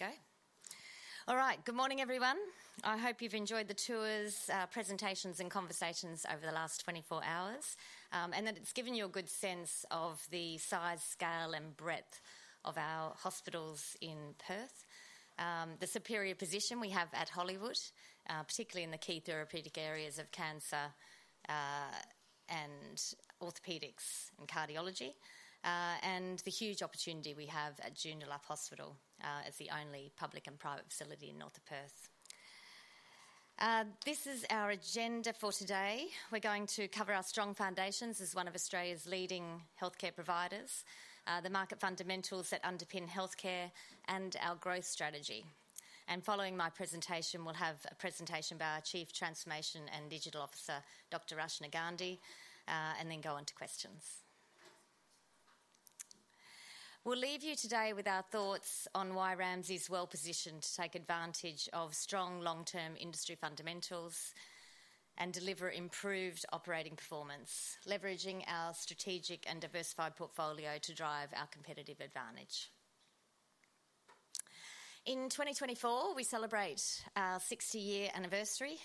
Ready to go? All right. Good morning, everyone. I hope you've enjoyed the tours, presentations, and conversations over the last twenty-four hours, and that it's given you a good sense of the size, scale, and breadth of our hospitals in Perth. The superior position we have at Hollywood, particularly in the key therapeutic areas of cancer, and orthopedics and cardiology, and the huge opportunity we have at Joondalup Hospital, as the only public and private facility in North of Perth. This is our agenda for today. We're going to cover our strong foundations as one of Australia's leading healthcare providers, the market fundamentals that underpin healthcare and our growth strategy. And following my presentation, we'll have a presentation by our Chief Transformation and Digital Officer, Dr Rachna Gandhi, and then go on to questions. We'll leave you today with our thoughts on why Ramsay is well positioned to take advantage of strong long-term industry fundamentals and deliver improved operating performance, leveraging our strategic and diversified portfolio to drive our competitive advantage. In 2024, we celebrate our 60 year anniversary,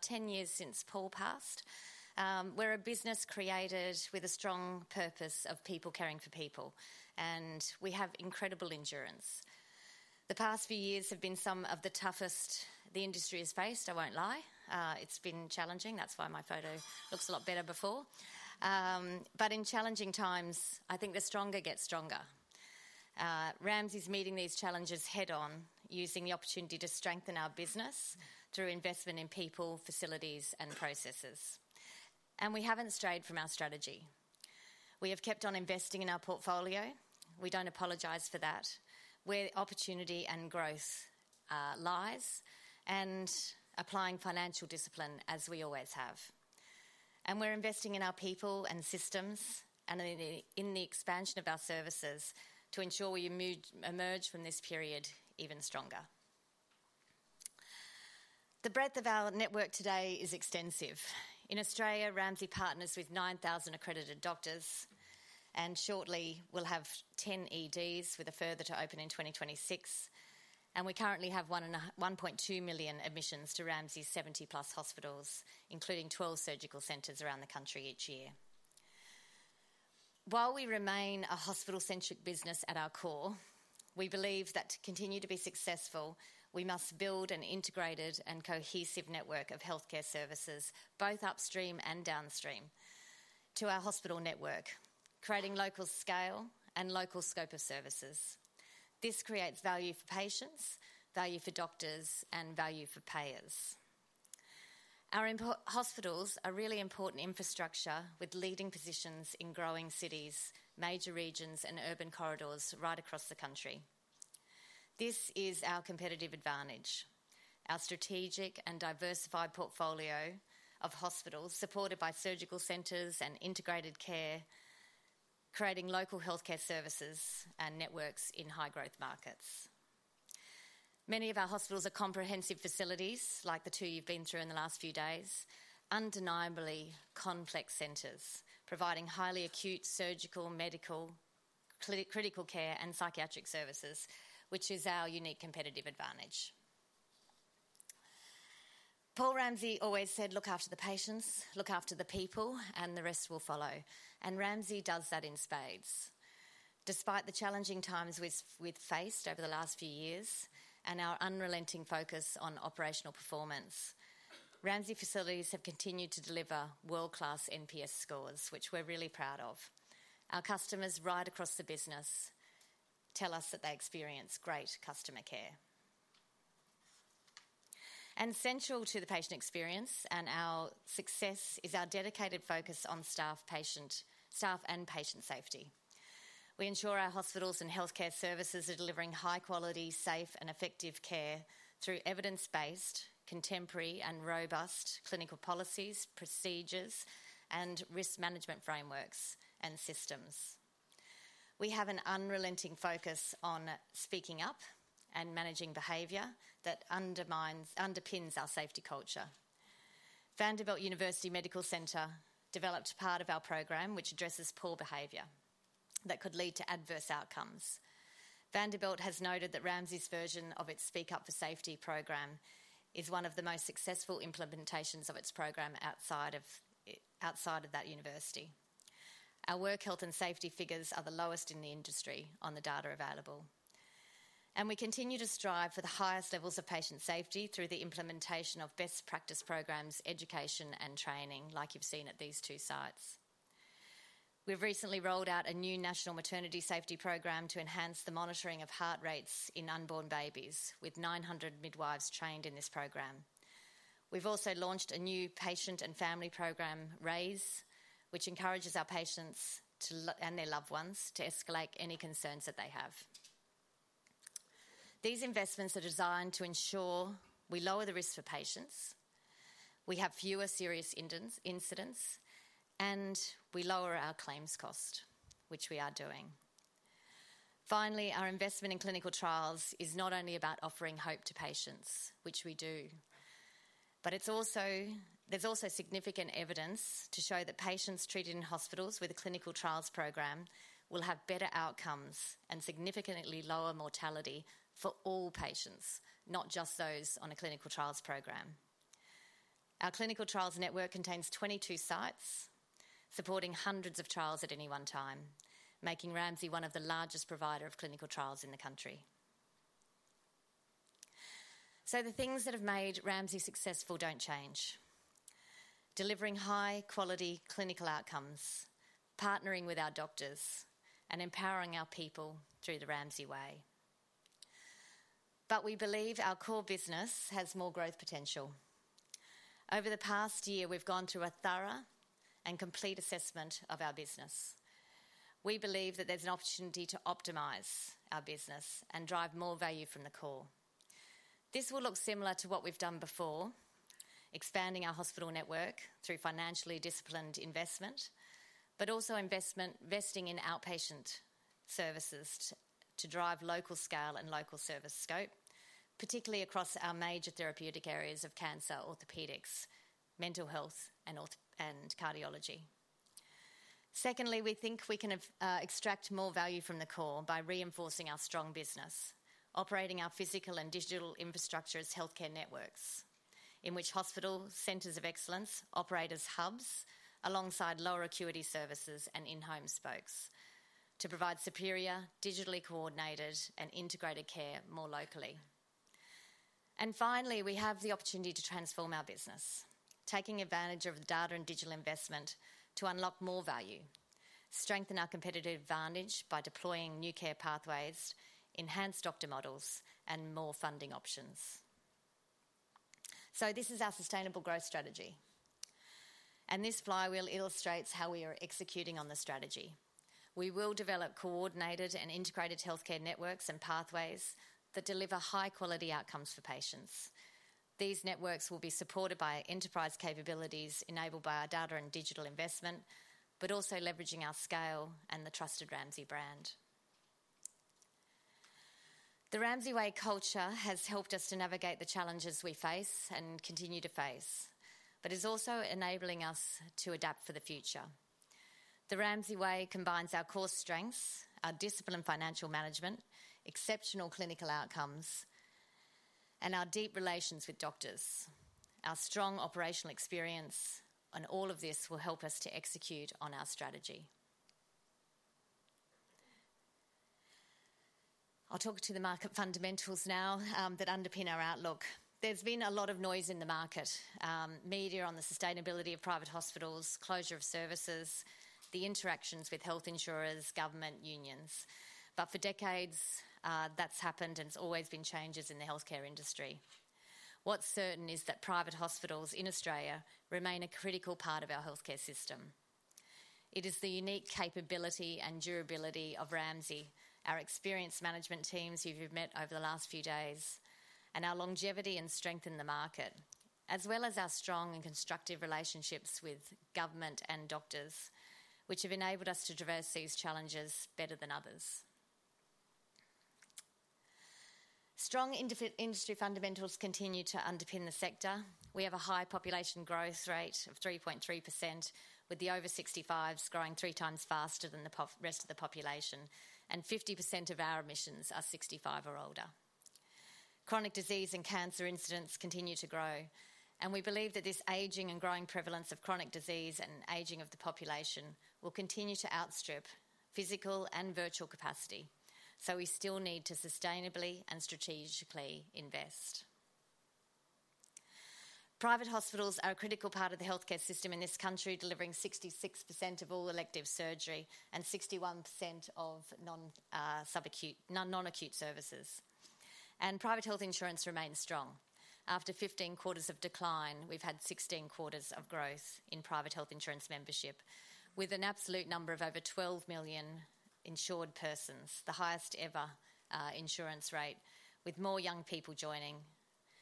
ten years since Paul passed. We're a business created with a strong purpose of people caring for people, and we have incredible endurance. The past few years have been some of the toughest the industry has faced, I won't lie. It's been challenging, that's why my photo looks a lot better before, but in challenging times, I think the stronger get stronger. Ramsay is meeting these challenges head-on, using the opportunity to strengthen our business through investment in people, facilities, and processes, and we haven't strayed from our strategy. We have kept on investing in our portfolio. We don't apologize for that, where opportunity and growth lies, and applying financial discipline as we always have. And we're investing in our people and systems and in the expansion of our services to ensure we emerge from this period even stronger. The breadth of our network today is extensive. In Australia, Ramsay partners with 9,000 accredited doctors, and shortly we'll have 10 EDs, with a further to open in 2026. And we currently have 1.2 million admissions to Ramsay's 70+ hospitals, including 12 surgical centers around the country each year. While we remain a hospital-centric business at our core, we believe that to continue to be successful, we must build an integrated and cohesive network of healthcare services, both upstream and downstream, to our hospital network, creating local scale and local scope of services. This creates value for patients, value for doctors, and value for payers. Our important hospitals are really important infrastructure with leading positions in growing cities, major regions, and urban corridors right across the country. This is our competitive advantage. Our strategic and diversified portfolio of hospitals, supported by surgical centers and integrated care, creating local healthcare services and networks in high-growth markets. Many of our hospitals are comprehensive facilities, like the two you've been through in the last few days. Undeniably complex centers providing highly acute surgical, medical, clinical critical care, and psychiatric services, which is our unique competitive advantage. Paul Ramsay always said: "Look after the patients, look after the people, and the rest will follow," and Ramsay does that in spades. Despite the challenging times we've faced over the last few years and our unrelenting focus on operational performance, Ramsay facilities have continued to deliver world-class NPS scores, which we're really proud of. Our customers right across the business tell us that they experience great customer care. And central to the patient experience and our success is our dedicated focus on staff and patient safety. We ensure our hospitals and healthcare services are delivering high quality, safe, and effective care through evidence-based, contemporary, and robust clinical policies, procedures, and risk management frameworks and systems. We have an unrelenting focus on speaking up and managing behavior that underpins our safety culture. Vanderbilt University Medical Center developed a part of our program, which addresses poor behavior that could lead to adverse outcomes. Vanderbilt has noted that Ramsay's version of its Speak Up for Safety program is one of the most successful implementations of its program outside of that university. Our work health and safety figures are the lowest in the industry on the data available, and we continue to strive for the highest levels of patient safety through the implementation of best practice programs, education, and training, like you've seen at these two sites. We've recently rolled out a new national maternity safety program to enhance the monitoring of heart rates in unborn babies, with 900 midwives trained in this program. We've also launched a new patient and family program, RAISE, which encourages our patients and their loved ones to escalate any concerns that they have. These investments are designed to ensure we lower the risk for patients, we have fewer serious incidents, and we lower our claims cost, which we are doing. Finally, our investment in clinical trials is not only about offering hope to patients, which we do, but it's also, there's also significant evidence to show that patients treated in hospitals with a clinical trials program will have better outcomes and significantly lower mortality for all patients, not just those on a clinical trials program. Our clinical trials network contains 22 sites, supporting hundreds of trials at any one time, making Ramsay one of the largest provider of clinical trials in the country. So the things that have made Ramsay successful don't change: delivering high-quality clinical outcomes, partnering with our doctors, and empowering our people through the Ramsay Way. But we believe our core business has more growth potential. Over the past year, we've gone through a thorough and complete assessment of our business. We believe that there's an opportunity to optimize our business and drive more value from the core. This will look similar to what we've done before, expanding our hospital network through financially disciplined investment, but also investing in outpatient services to drive local scale and local service scope, particularly across our major therapeutic areas of cancer, orthopedics, mental health, and cardiology. Secondly, we think we can extract more value from the core by reinforcing our strong business, operating our physical and digital infrastructure as healthcare networks, in which hospital centers of excellence operate as hubs alongside lower acuity services and in-home spokes to provide superior, digitally coordinated, and integrated care more locally. Finally, we have the opportunity to transform our business, taking advantage of the data and digital investment to unlock more value, strengthen our competitive advantage by deploying new care pathways, enhanced doctor models, and more funding options. This is our sustainable growth strategy, and this flywheel illustrates how we are executing on the strategy. We will develop coordinated and integrated healthcare networks and pathways that deliver high-quality outcomes for patients. These networks will be supported by enterprise capabilities enabled by our data and digital investment, but also leveraging our scale and the trusted Ramsay brand. The Ramsay Way culture has helped us to navigate the challenges we face and continue to face, but is also enabling us to adapt for the future. The Ramsay Way combines our core strengths, our discipline, financial management, exceptional clinical outcomes, and our deep relations with doctors. Our strong operational experience on all of this will help us to execute on our strategy. I'll talk to the market fundamentals now, that underpin our outlook. There's been a lot of noise in the market, media on the sustainability of private hospitals, closure of services, the interactions with health insurers, government, unions. But for decades, that's happened, and it's always been changes in the healthcare industry. What's certain is that private hospitals in Australia remain a critical part of our healthcare system. It is the unique capability and durability of Ramsay, our experienced management teams who you've met over the last few days, and our longevity and strength in the market, as well as our strong and constructive relationships with government and doctors, which have enabled us to traverse these challenges better than others. Strong industry fundamentals continue to underpin the sector. We have a high population growth rate of 3.3%, with the over 65s growing three times faster than the rest of the population, and 50% of our admissions are 65 or older. Chronic disease and cancer incidents continue to grow, and we believe that this aging and growing prevalence of chronic disease and aging of the population will continue to outstrip physical and virtual capacity, so we still need to sustainably and strategically invest. Private hospitals are a critical part of the healthcare system in this country, delivering 66% of all elective surgery and 61% of non-subacute, non-acute services, and private health insurance remains strong. After fifteen quarters of decline, we've had sixteen quarters of growth in private health insurance membership, with an absolute number of over 12 million insured persons, the highest ever, insurance rate, with more young people joining,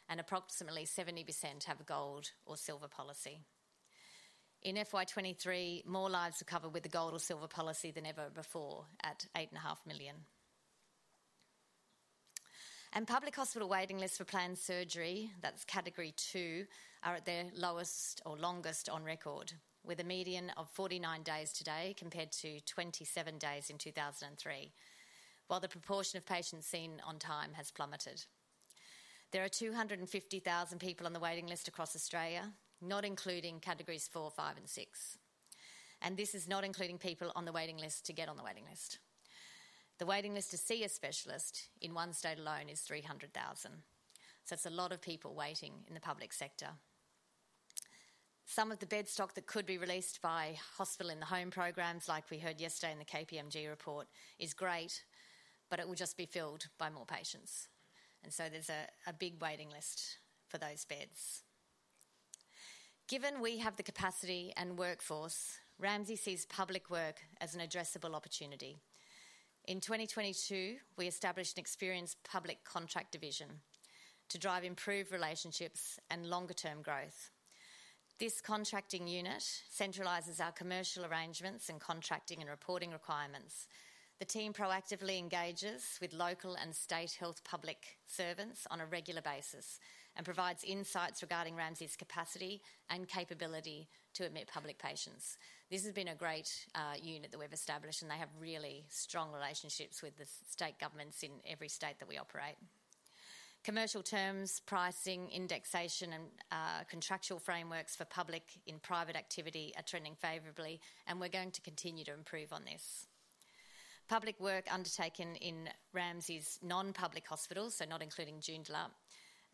and approximately 70% have a Gold or Silver policy. In FY 2023, more lives are covered with a Gold or Silver policy than ever before, at 8.5 million. Public hospital waiting lists for planned surgery, that's Category 2, are at their lowest or longest on record, with a median of 49 days today, compared to 27 days in 2003, while the proportion of patients seen on time has plummeted. There are 250,000 people on the waiting list across Australia, not including Categories four, five, and six, and this is not including people on the waiting list to get on the waiting list. The waiting list to see a specialist in one state alone is 300,000. So it's a lot of people waiting in the public sector. Some of the bed stock that could be released by hospital-in-the-home programs, like we heard yesterday in the KPMG report, is great, but it will just be filled by more patients, and so there's a big waiting list for those beds. Given we have the capacity and workforce, Ramsay sees public work as an addressable opportunity. In 2022, we established an experienced public contract division to drive improved relationships and longer-term growth.... This contracting unit centralizes our commercial arrangements and contracting and reporting requirements. The team proactively engages with local and state health public servants on a regular basis, and provides insights regarding Ramsay's capacity and capability to admit public patients. This has been a great unit that we've established, and they have really strong relationships with the state governments in every state that we operate. Commercial terms, pricing, indexation, and contractual frameworks for public in private activity are trending favorably, and we're going to continue to improve on this. Public work undertaken in Ramsay's non-public hospitals, so not including Joondalup,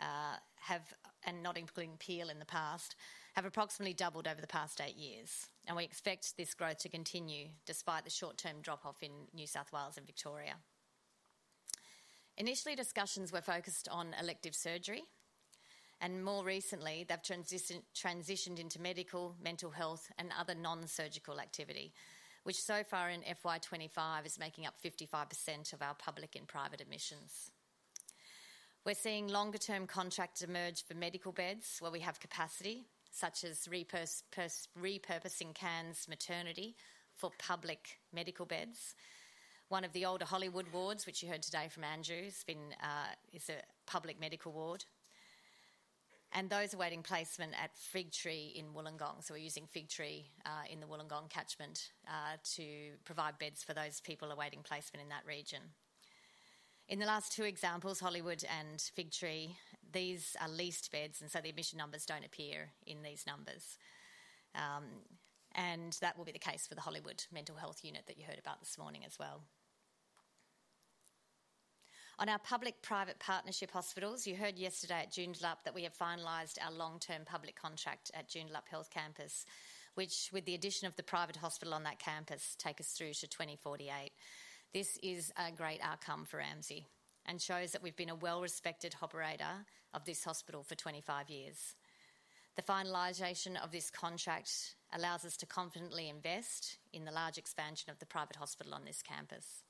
and not including Peel in the past, have approximately doubled over the past eight years, and we expect this growth to continue despite the short-term drop-off in New South Wales and Victoria. Initially, discussions were focused on elective surgery, and more recently, they've transitioned into medical, mental health, and other non-surgical activity, which so far in FY 2025 is making up 55% of our public and private admissions. We're seeing longer term contracts emerge for medical beds where we have capacity, such as repurposing Cairns Maternity for public medical beds. One of the older Hollywood wards, which you heard today from Andrew, is a public medical ward, and those awaiting placement at Figtree in Wollongong. So we're using Figtree in the Wollongong catchment to provide beds for those people awaiting placement in that region. In the last two examples, Hollywood and Figtree, these are leased beds, and so the admission numbers don't appear in these numbers. And that will be the case for the Hollywood Mental Health Unit that you heard about this morning as well. On our public-private partnership hospitals, you heard yesterday at Joondalup that we have finalized our long-term public contract at Joondalup Health Campus, which, with the addition of the private hospital on that campus, take us through to 2048. This is a great outcome for Ramsay and shows that we've been a well-respected operator of this hospital for 25 years. The finalization of this contract allows us to confidently invest in the large expansion of the private hospital on this campus.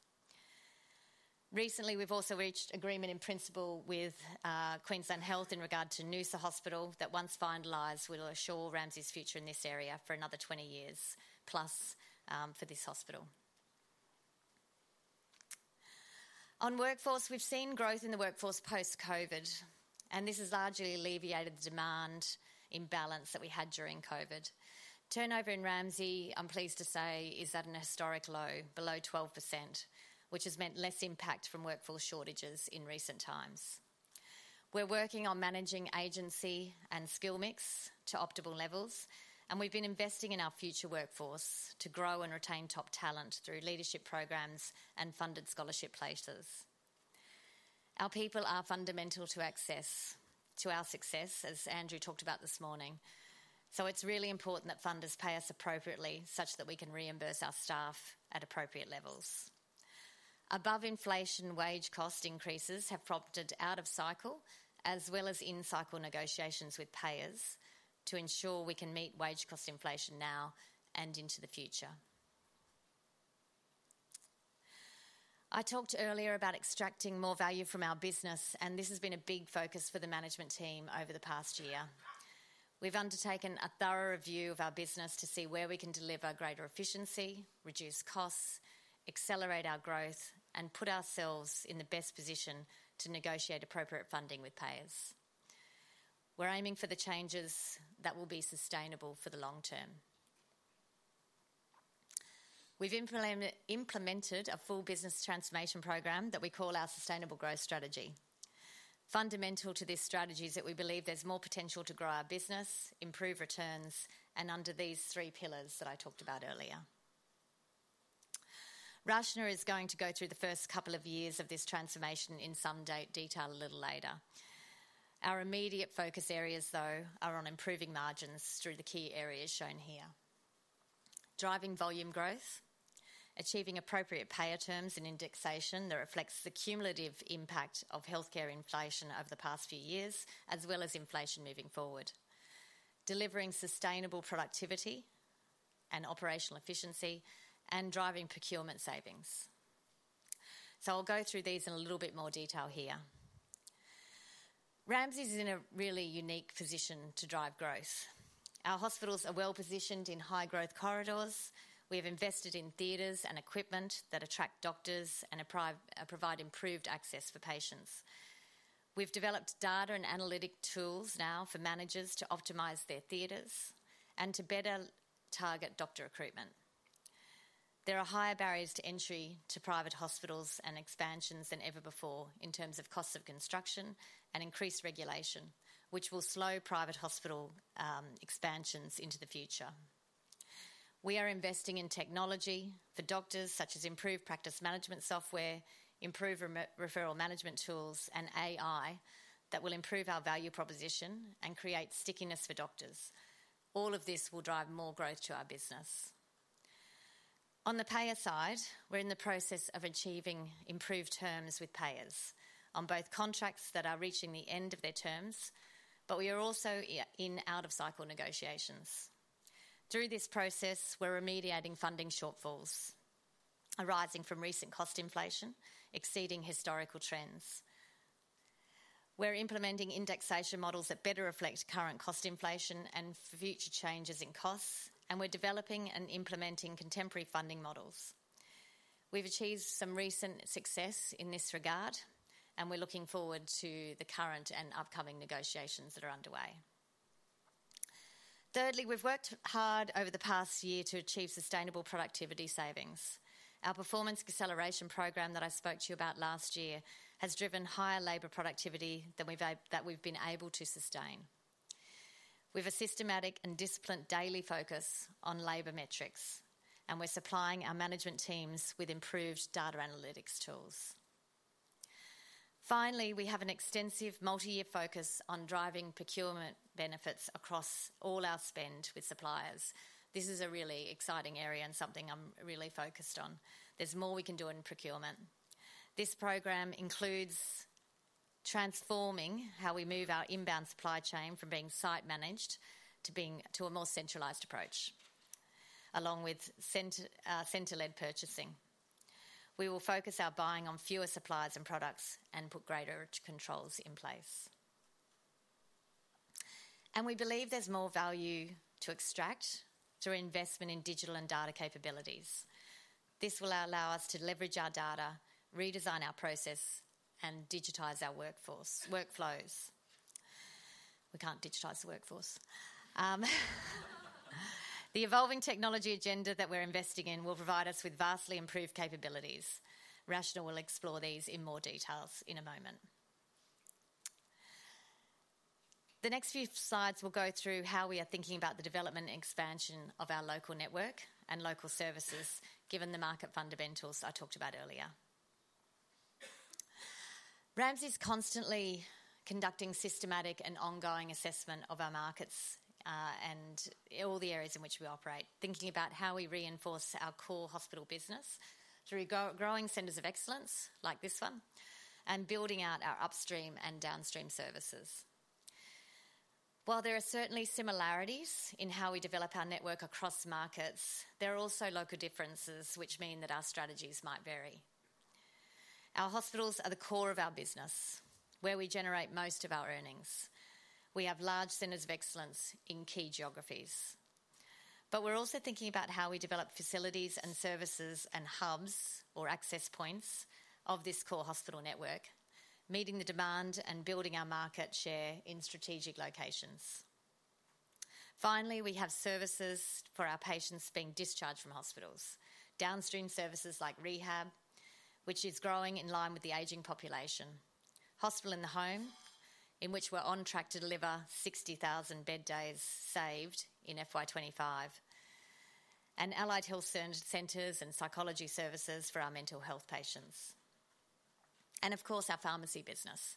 Recently, we've also reached agreement in principle with Queensland Health in regard to Noosa Hospital, that once finalized, will assure Ramsay's future in this area for another 20 years+ for this hospital. On workforce, we've seen growth in the workforce post-COVID, and this has largely alleviated the demand imbalance that we had during COVID. Turnover in Ramsay, I'm pleased to say, is at an historic low, below 12%, which has meant less impact from workforce shortages in recent times. We're working on managing agency and skill mix to optimal levels, and we've been investing in our future workforce to grow and retain top talent through leadership programs and funded scholarship places. Our people are fundamental to access, to our success, as Andrew talked about this morning. So it's really important that funders pay us appropriately, such that we can reimburse our staff at appropriate levels. Above-inflation wage cost increases have prompted out-of-cycle, as well as in-cycle negotiations with payers to ensure we can meet wage cost inflation now and into the future. I talked earlier about extracting more value from our business, and this has been a big focus for the management team over the past year. We've undertaken a thorough review of our business to see where we can deliver greater efficiency, reduce costs, accelerate our growth, and put ourselves in the best position to negotiate appropriate funding with payers. We're aiming for the changes that will be sustainable for the long term. We've implemented a full business transformation program that we call our Sustainable Growth Strategy. Fundamental to this strategy is that we believe there's more potential to grow our business, improve returns, and under these three pillars that I talked about earlier. Rachna is going to go through the first couple of years of this transformation in some detail a little later. Our immediate focus areas, though, are on improving margins through the key areas shown here: driving volume growth, achieving appropriate payer terms and indexation that reflects the cumulative impact of healthcare inflation over the past few years, as well as inflation moving forward, delivering sustainable productivity and operational efficiency, and driving procurement savings, so I'll go through these in a little bit more detail here. Ramsay's in a really unique position to drive growth. Our hospitals are well-positioned in high-growth corridors. We've invested in theaters and equipment that attract doctors and provide improved access for patients. We've developed data and analytic tools now for managers to optimize their theaters and to better target doctor recruitment. There are higher barriers to entry to private hospitals and expansions than ever before in terms of costs of construction and increased regulation, which will slow private hospital expansions into the future. We are investing in technology for doctors, such as improved practice management software, improved referral management tools, and AI that will improve our value proposition and create stickiness for doctors. All of this will drive more growth to our business. On the payer side, we're in the process of achieving improved terms with payers on both contracts that are reaching the end of their terms, but we are also in out-of-cycle negotiations. Through this process, we're remediating funding shortfalls arising from recent cost inflation, exceeding historical trends. We're implementing indexation models that better reflect current cost inflation and for future changes in costs, and we're developing and implementing contemporary funding models. We've achieved some recent success in this regard, and we're looking forward to the current and upcoming negotiations that are underway. Thirdly, we've worked hard over the past year to achieve sustainable productivity savings. Our Performance Acceleration program that I spoke to you about last year has driven higher labor productivity than that we've been able to sustain. We've a systematic and disciplined daily focus on labor metrics, and we're supplying our management teams with improved data analytics tools. Finally, we have an extensive multi-year focus on driving procurement benefits across all our spend with suppliers. This is a really exciting area and something I'm really focused on. There's more we can do in procurement. This program includes transforming how we move our inbound supply chain from being site managed to a more centralized approach, along with center-led purchasing. We will focus our buying on fewer suppliers and products and put greater controls in place. We believe there's more value to extract through investment in digital and data capabilities. This will allow us to leverage our data, redesign our process, and digitize our workforce, workflows. We can't digitize the workforce. The evolving technology agenda that we're investing in will provide us with vastly improved capabilities. Rachna will explore these in more detail in a moment. The next few slides will go through how we are thinking about the development and expansion of our local network and local services, given the market fundamentals I talked about earlier. Ramsay is constantly conducting systematic and ongoing assessment of our markets, and all the areas in which we operate, thinking about how we reinforce our core hospital business through growing centers of excellence like this one, and building out our upstream and downstream services. While there are certainly similarities in how we develop our network across markets, there are also local differences, which mean that our strategies might vary. Our hospitals are the core of our business, where we generate most of our earnings. We have large centers of excellence in key geographies, but we're also thinking about how we develop facilities and services and hubs or access points of this core hospital network, meeting the demand and building our market share in strategic locations. Finally, we have services for our patients being discharged from hospitals. Downstream services like rehab, which is growing in line with the aging population. Hospital in the Home, in which we're on track to deliver 60,000 bed days saved in FY 2025. And allied health center, centers and psychology services for our mental health patients. And of course, our pharmacy business,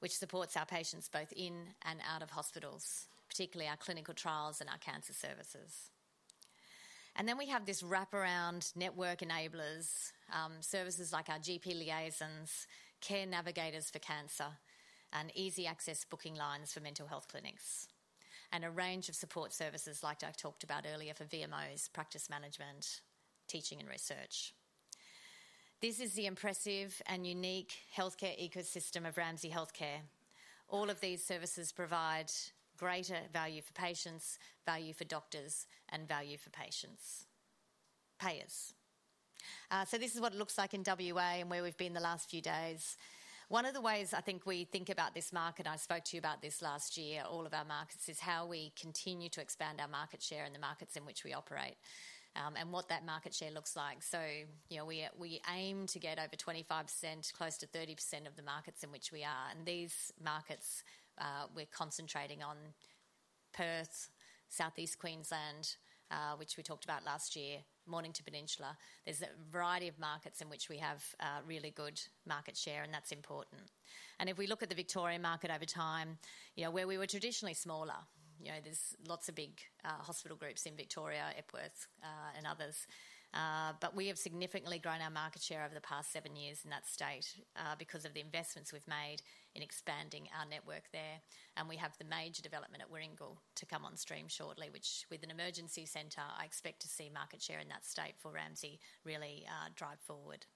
which supports our patients both in and out of hospitals, particularly our clinical trials and our cancer services. And then we have this wraparound network enablers, services like our GP liaisons, care navigators for cancer, and easy access booking lines for mental health clinics, and a range of support services like I've talked about earlier for VMOs, practice management, teaching, and research. This is the impressive and unique healthcare ecosystem of Ramsay Health Care. All of these services provide greater value for patients, value for doctors, and value for patients, payers. So this is what it looks like in WA and where we've been the last few days. One of the ways I think we think about this market, I spoke to you about this last year, all of our markets, is how we continue to expand our market share in the markets in which we operate, and what that market share looks like. So, you know, we aim to get over 25%, close to 30% of the markets in which we are. And these markets, we're concentrating on Perth, South East Queensland, which we talked about last year, Mornington Peninsula. There's a variety of markets in which we have, really good market share, and that's important. And if we look at the Victorian market over time, you know, where we were traditionally smaller, you know, there's lots of big hospital groups in Victoria, Epworth, and others. But we have significantly grown our market share over the past seven years in that state because of the investments we've made in expanding our network there. And we have the major development at Warringal to come on stream shortly, which with an emergency center, I expect to see market share in that state for Ramsay really drive forward.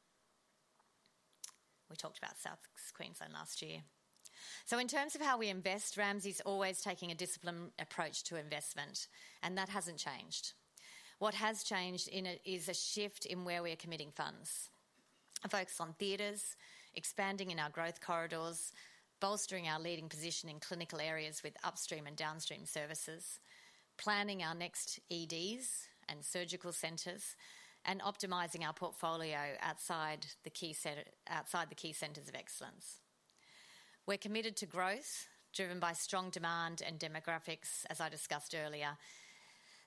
We talked about South Queensland last year. So in terms of how we invest, Ramsay's always taking a disciplined approach to investment, and that hasn't changed. What has changed in it is a shift in where we are committing funds. A focus on theaters, expanding in our growth corridors, bolstering our leading position in clinical areas with upstream and downstream services, planning our next EDs and surgical centers, and optimizing our portfolio outside the key center, outside the key centers of excellence. We're committed to growth, driven by strong demand and demographics, as I discussed earlier.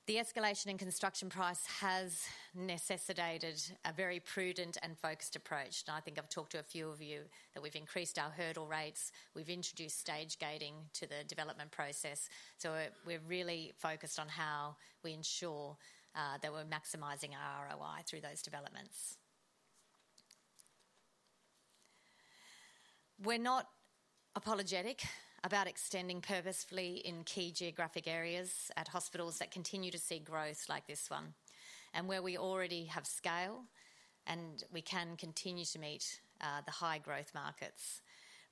The escalation in construction price has necessitated a very prudent and focused approach, and I think I've talked to a few of you that we've increased our hurdle rates. We've introduced stage gating to the development process. So we're really focused on how we ensure that we're maximizing our ROI through those developments. We're not apologetic about extending purposefully in key geographic areas at hospitals that continue to see growth like this one, and where we already have scale, and we can continue to meet the high growth markets....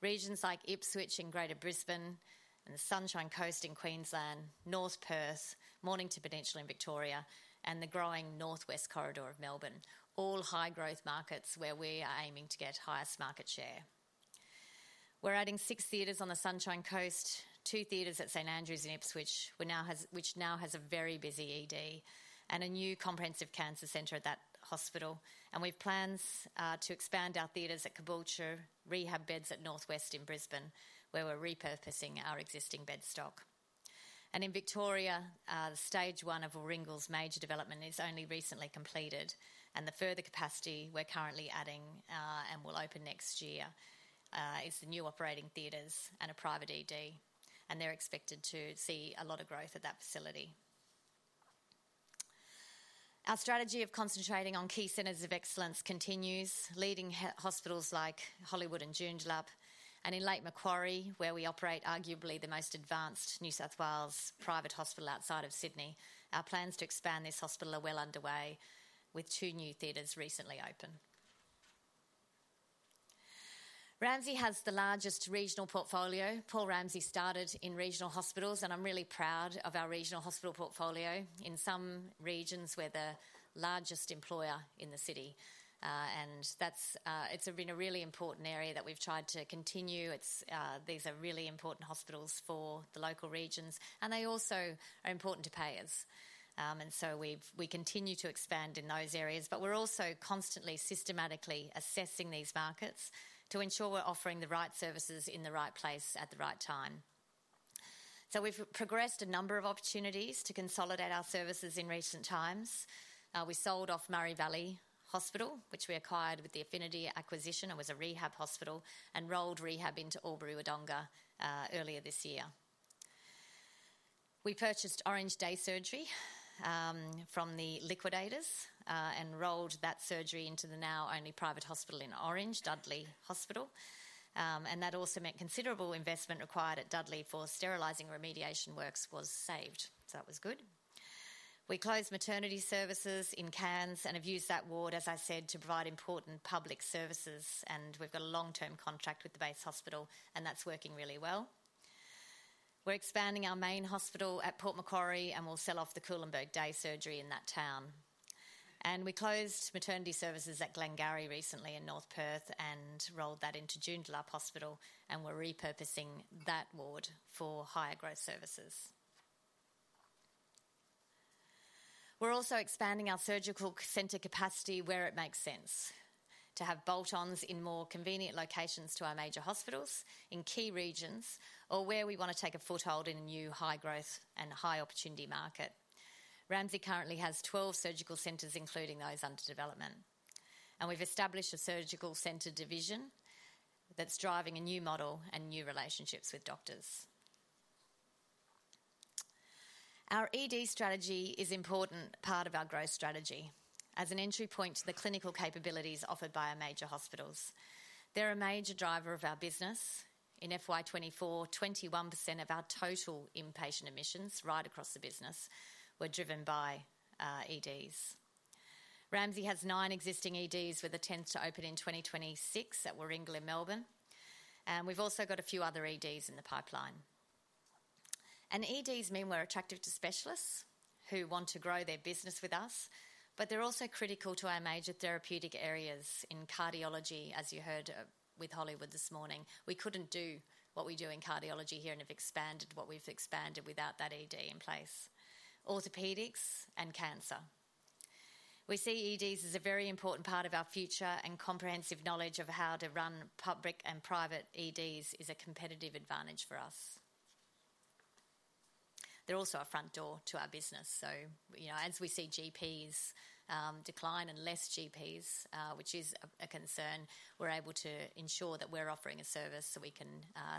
Regions like Ipswich in Greater Brisbane, and the Sunshine Coast in Queensland, North Perth, Mornington Peninsula in Victoria, and the growing northwest corridor of Melbourne, all high growth markets where we are aiming to get highest market share. We're adding six theaters on the Sunshine Coast, two theaters at St Andrew's in Ipswich, which now has a very busy ED, and a new comprehensive cancer center at that hospital. And we've plans to expand our theaters at Caboolture, rehab beds at North West in Brisbane, where we're repurposing our existing bed stock. And in Victoria, the stage one of Warringal's major development is only recently completed, and the further capacity we're currently adding and will open next year is the new operating theaters and a private ED, and they're expected to see a lot of growth at that facility. Our strategy of concentrating on key centers of excellence continues, leading hospitals like Hollywood and Joondalup, and in Lake Macquarie, where we operate arguably the most advanced New South Wales private hospital outside of Sydney. Our plans to expand this hospital are well underway, with two new theaters recently open. Ramsay has the largest regional portfolio. Paul Ramsay started in regional hospitals, and I'm really proud of our regional hospital portfolio. In some regions, we're the largest employer in the city, and that's, it's been a really important area that we've tried to continue. It's, these are really important hospitals for the local regions, and they also are important to payers. And so we continue to expand in those areas, but we're also constantly, systematically assessing these markets to ensure we're offering the right services in the right place at the right time. So we've progressed a number of opportunities to consolidate our services in recent times. We sold off Murray Valley Hospital, which we acquired with the Affinity acquisition. It was a rehab hospital, and rolled rehab into Albury-Wodonga earlier this year. We purchased Orange Day Surgery from the liquidators and rolled that surgery into the now only private hospital in Orange, Dudley Private Hospital. And that also meant considerable investment required at Dudley for sterilizing remediation works was saved, so that was good. We closed maternity services in Cairns and have used that ward, as I said, to provide important public services, and we've got a long-term contract with the base hospital, and that's working really well. We're expanding our main hospital at Port Macquarie, and we'll sell off the Kooloonbung Day Surgery in that town. We closed maternity services at Glengarry recently in North Perth and rolled that into Joondalup Hospital, and we're repurposing that ward for higher growth services. We're also expanding our surgical center capacity where it makes sense, to have bolt-ons in more convenient locations to our major hospitals, in key regions, or where we want to take a foothold in a new high growth and high opportunity market. Ramsay currently has 12 surgical centers, including those under development, and we've established a Surgical Centre division that's driving a new model and new relationships with doctors. Our ED strategy is important part of our growth strategy. As an entry point to the clinical capabilities offered by our major hospitals, they're a major driver of our business. In FY 2024, 21% of our total inpatient admissions, right across the business, were driven by EDs. Ramsay has nine existing EDs, with the tenth to open in 2026 at Warringal in Melbourne, and we've also got a few other EDs in the pipeline, and EDs mean we're attractive to specialists who want to grow their business with us, but they're also critical to our major therapeutic areas in cardiology, as you heard, with Hollywood this morning. We couldn't do what we do in cardiology here and have expanded what we've expanded without that ED in place. Orthopedics and cancer. We see EDs as a very important part of our future, and comprehensive knowledge of how to run public and private EDs is a competitive advantage for us. They're also a front door to our business, so, you know, as we see GPs decline and less GPs, which is a concern, we're able to ensure that we're offering a service so we can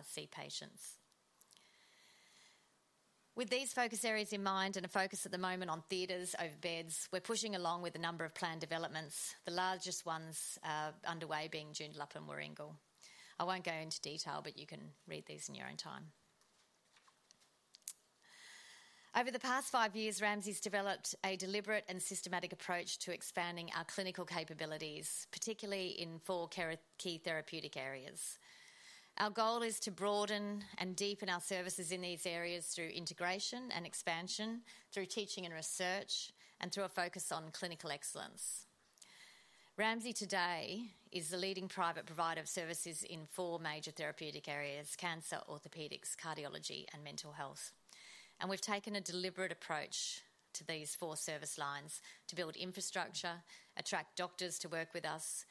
see patients. With these focus areas in mind and a focus at the moment on theaters over beds, we're pushing along with a number of planned developments, the largest ones underway being Joondalup and Warringal. I won't go into detail, but you can read these in your own time. Over the past five years, Ramsay's developed a deliberate and systematic approach to expanding our clinical capabilities, particularly in four key therapeutic areas. Our goal is to broaden and deepen our services in these areas through integration and expansion, through teaching and research, and through a focus on clinical excellence. Ramsay today is the leading private provider of services in four major therapeutic areas: cancer, orthopedics, cardiology, and mental health. And we've taken a deliberate approach to these four service lines to build infrastructure, attract doctors to work with us,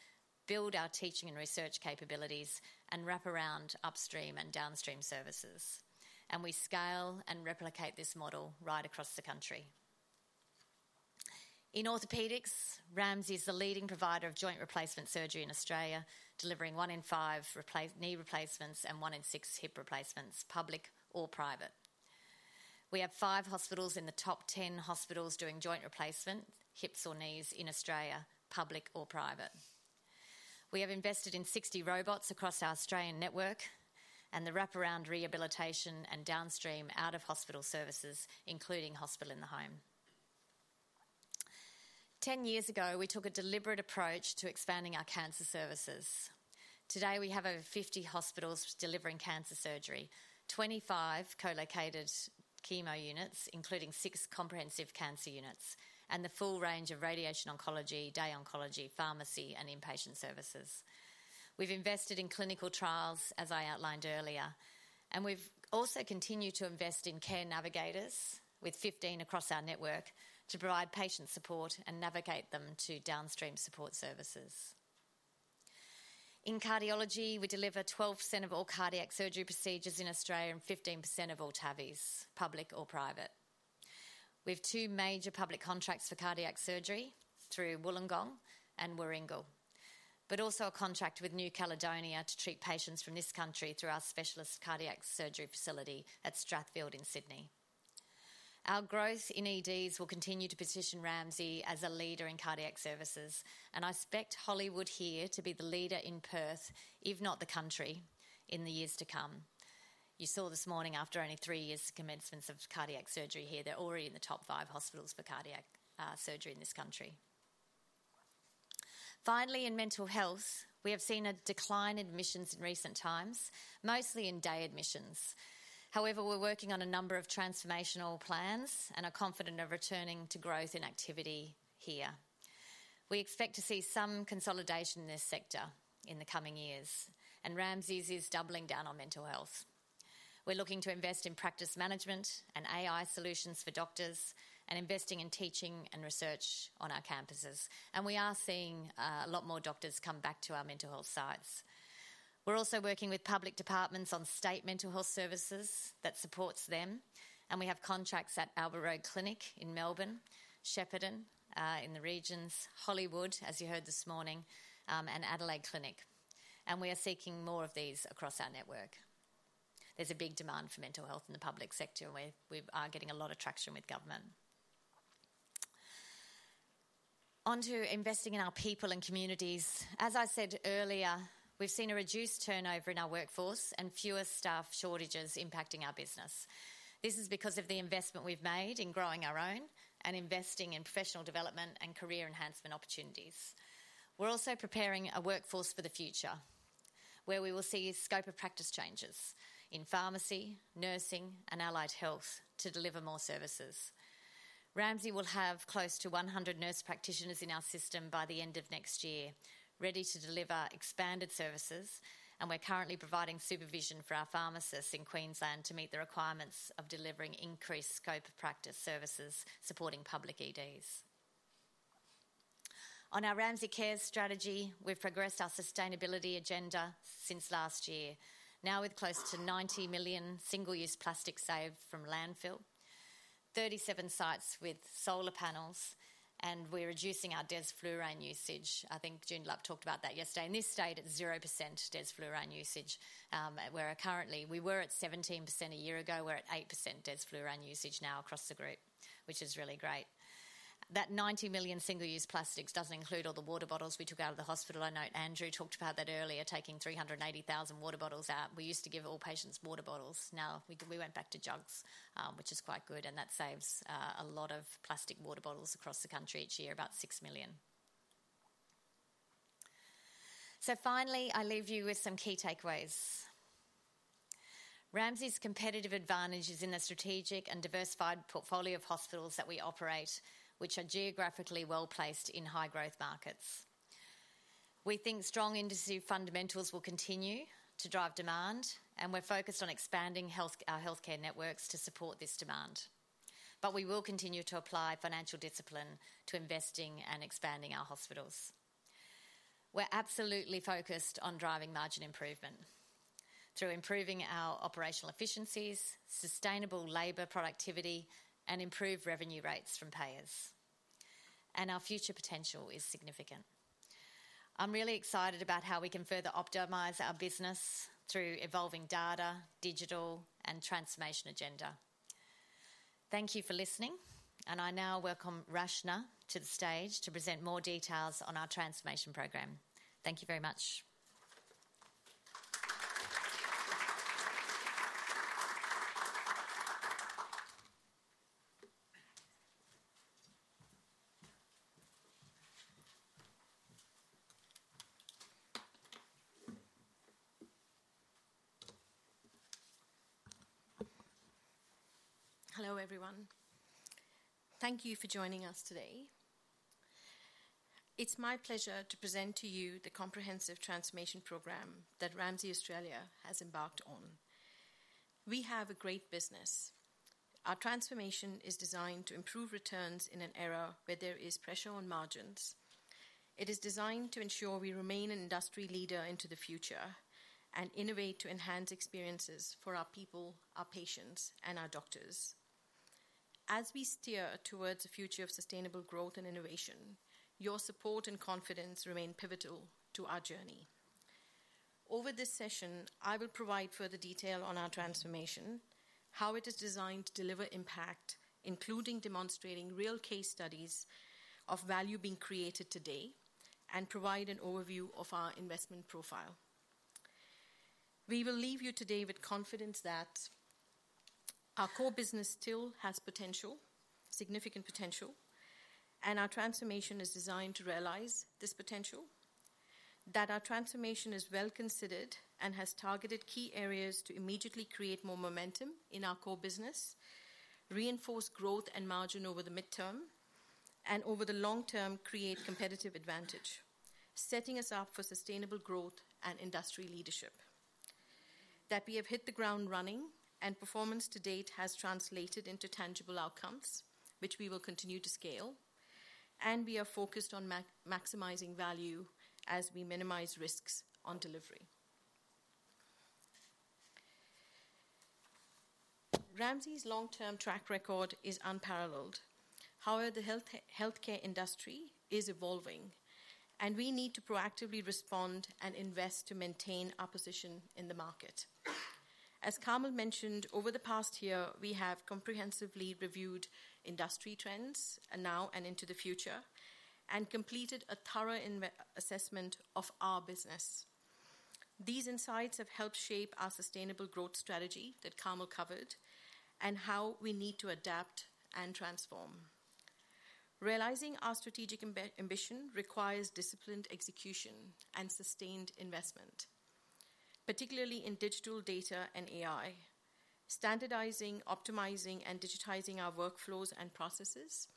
build our teaching and research capabilities, and wrap around upstream and downstream services, and we scale and replicate this model right across the country. In orthopedics, Ramsay is the leading provider of joint replacement surgery in Australia, delivering one in five knee replacements and one in six hip replacements, public or private. We have five hospitals in the top 10 hospitals doing joint replacement, hips or knees, in Australia, public or private. We have invested in 60 robots across our Australian network and the wraparound rehabilitation and downstream out-of-hospital services, including Hospital in the Home. Ten years ago, we took a deliberate approach to expanding our cancer services. Today, we have over 50 hospitals delivering cancer surgery, 25 co-located chemo units, including six comprehensive cancer units, and the full range of radiation oncology, day oncology, pharmacy, and inpatient services. We've invested in clinical trials, as I outlined earlier, and we've also continued to invest in care navigators, with 15 across our network, to provide patient support and navigate them to downstream support services. In cardiology, we deliver 12% of all cardiac surgery procedures in Australia and 15% of all TAVIs, public or private. We have two major public contracts for cardiac surgery through Wollongong and Warringal, but also a contract with New Caledonia to treat patients from this country through our specialist cardiac surgery facility at Strathfield in Sydney. Our growth in EDs will continue to position Ramsay as a leader in cardiac services, and I expect Hollywood here to be the leader in Perth, if not the country, in the years to come. You saw this morning, after only three years' commencements of cardiac surgery here, they're already in the top five hospitals for cardiac surgery in this country. Finally, in mental health, we have seen a decline in admissions in recent times, mostly in day admissions. However, we're working on a number of transformational plans and are confident of returning to growth in activity here. We expect to see some consolidation in this sector in the coming years, and Ramsay's is doubling down on mental health. We're looking to invest in practice management and AI solutions for doctors and investing in teaching and research on our campuses, and we are seeing a lot more doctors come back to our mental health sites. We're also working with public departments on state mental health services that supports them, and we have contracts at Albert Road Clinic in Melbourne, Shepparton, in the regions, Hollywood, as you heard this morning, and Adelaide Clinic, and we are seeking more of these across our network. There's a big demand for mental health in the public sector, and we are getting a lot of traction with government. On to investing in our people and communities. As I said earlier, we've seen a reduced turnover in our workforce and fewer staff shortages impacting our business. This is because of the investment we've made in growing our own and investing in professional development and career enhancement opportunities. We're also preparing a workforce for the future, where we will see scope of practice changes in pharmacy, nursing, and allied health to deliver more services. Ramsay will have close to 100 nurse practitioners in our system by the end of next year, ready to deliver expanded services, and we're currently providing supervision for our pharmacists in Queensland to meet the requirements of delivering increased scope of practice services, supporting public EDs. On our Ramsay Care strategy, we've progressed our sustainability agenda since last year, now with close to 90 million single-use plastics saved from landfill, 37 sites with solar panels, and we're reducing our desflurane usage. I think Joondalup talked about that yesterday. In this state, at 0% desflurane usage, where currently we were at 17% a year ago, we're at 8% desflurane usage now across the group, which is really great. That 90 million single-use plastics doesn't include all the water bottles we took out of the hospital. I know Andrew talked about that earlier, taking 380,000 water bottles out. We used to give all patients water bottles. Now, we went back to jugs, which is quite good, and that saves a lot of plastic water bottles across the country each year, about 6 million. So finally, I leave you with some key takeaways. Ramsay's competitive advantage is in the strategic and diversified portfolio of hospitals that we operate, which are geographically well-placed in high-growth markets. We think strong industry fundamentals will continue to drive demand, and we're focused on expanding our healthcare networks to support this demand, but we will continue to apply financial discipline to investing and expanding our hospitals. We're absolutely focused on driving margin improvement through improving our operational efficiencies, sustainable labor productivity, and improved revenue rates from payers, and our future potential is significant. I'm really excited about how we can further optimize our business through evolving data, digital, and transformation agenda. Thank you for listening, and I now welcome Rachna to the stage to present more details on our transformation program. Thank you very much. Hello, everyone. Thank you for joining us today. It's my pleasure to present to you the comprehensive transformation program that Ramsay Australia has embarked on. We have a great business. Our transformation is designed to improve returns in an era where there is pressure on margins. It is designed to ensure we remain an industry leader into the future and innovate to enhance experiences for our people, our patients, and our doctors. As we steer towards a future of sustainable growth and innovation, your support and confidence remain pivotal to our journey. Over this session, I will provide further detail on our transformation, how it is designed to deliver impact, including demonstrating real case studies of value being created today, and provide an overview of our investment profile.... We will leave you today with confidence that our core business still has potential, significant potential, and our transformation is designed to realize this potential. That our transformation is well considered and has targeted key areas to immediately create more momentum in our core business, reinforce growth and margin over the midterm, and over the long term, create competitive advantage, setting us up for sustainable growth and industry leadership. That we have hit the ground running, and performance to date has translated into tangible outcomes, which we will continue to scale, and we are focused on maximizing value as we minimize risks on delivery. Ramsay's long-term track record is unparalleled. However, the healthcare industry is evolving, and we need to proactively respond and invest to maintain our position in the market. As Carmel mentioned, over the past year, we have comprehensively reviewed industry trends, now and into the future, and completed a thorough assessment of our business. These insights have helped shape our sustainable growth strategy that Carmel covered and how we need to adapt and transform. Realizing our strategic ambition requires disciplined execution and sustained investment, particularly in digital data and AI. Standardizing, optimizing, and digitizing our workflows and processes,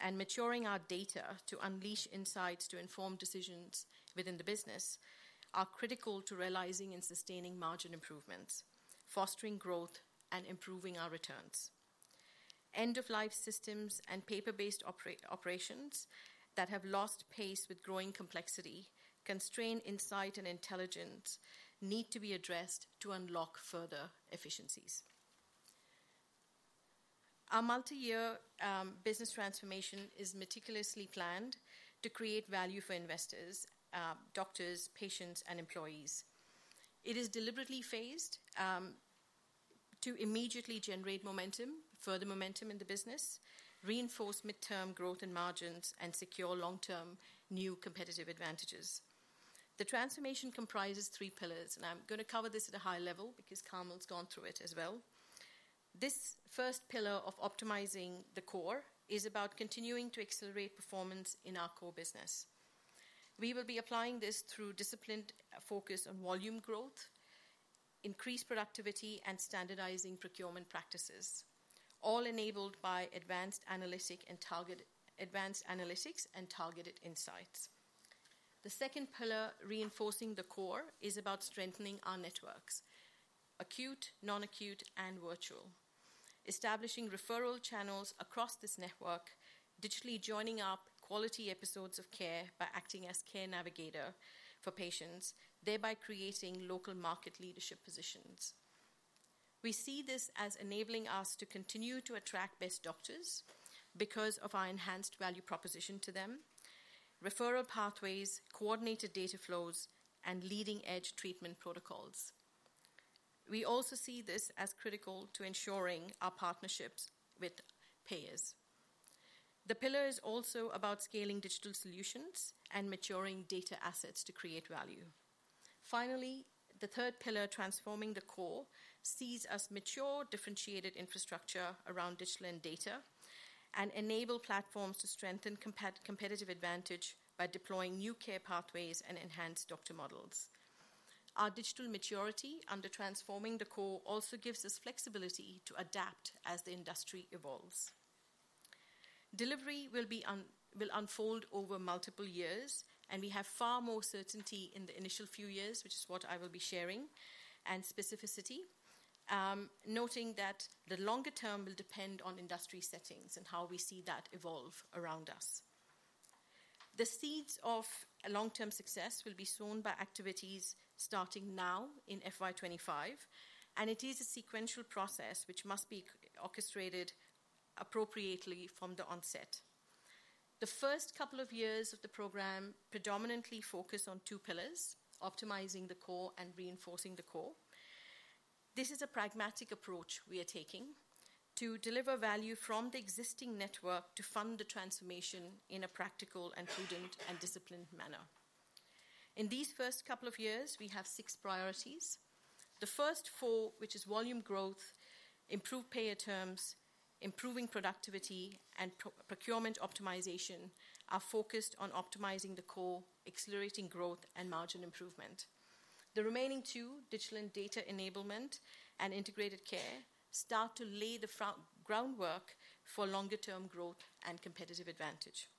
and maturing our data to unleash insights to inform decisions within the business, are critical to realizing and sustaining margin improvements, fostering growth, and improving our returns. End-of-life systems and paper-based operations that have lost pace with growing complexity, constrain insight and intelligence, need to be addressed to unlock further efficiencies. Our multi-year business transformation is meticulously planned to create value for investors, doctors, patients, and employees. It is deliberately phased to immediately generate momentum, further momentum in the business, reinforce midterm growth and margins, and secure long-term new competitive advantages. The transformation comprises three pillars, and I'm going to cover this at a high level because Carmel's gone through it as well. This first pillar of optimizing the core is about continuing to accelerate performance in our core business. We will be applying this through disciplined focus on volume growth, increased productivity, and standardizing procurement practices, all enabled by advanced analytics and targeted insights. The second pillar, reinforcing the core, is about strengthening our networks: acute, non-acute, and virtual. Establishing referral channels across this network, digitally joining up quality episodes of care by acting as care navigator for patients, thereby creating local market leadership positions. We see this as enabling us to continue to attract best doctors because of our enhanced value proposition to them, referral pathways, coordinated data flows, and leading-edge treatment protocols. We also see this as critical to ensuring our partnerships with payers. The pillar is also about scaling digital solutions and maturing data assets to create value. Finally, the third pillar, transforming the core, sees us mature differentiated infrastructure around digital and data and enable platforms to strengthen competitive advantage by deploying new care pathways and enhanced doctor models. Our digital maturity under transforming the core also gives us flexibility to adapt as the industry evolves. Delivery will unfold over multiple years, and we have far more certainty in the initial few years, which is what I will be sharing, and specificity, noting that the longer term will depend on industry settings and how we see that evolve around us. The seeds of a long-term success will be sown by activities starting now in FY 2025, and it is a sequential process which must be orchestrated appropriately from the onset. The first couple of years of the program predominantly focus on two pillars: optimizing the core and reinforcing the core. This is a pragmatic approach we are taking to deliver value from the existing network to fund the transformation in a practical and prudent and disciplined manner. In these first couple of years, we have six priorities. The first four, which is volume growth, improved payer terms, improving productivity, and procurement optimization, are focused on optimizing the core, accelerating growth and margin improvement. The remaining two, digital and data enablement and integrated care, start to lay the groundwork for longer-term growth and competitive advantage.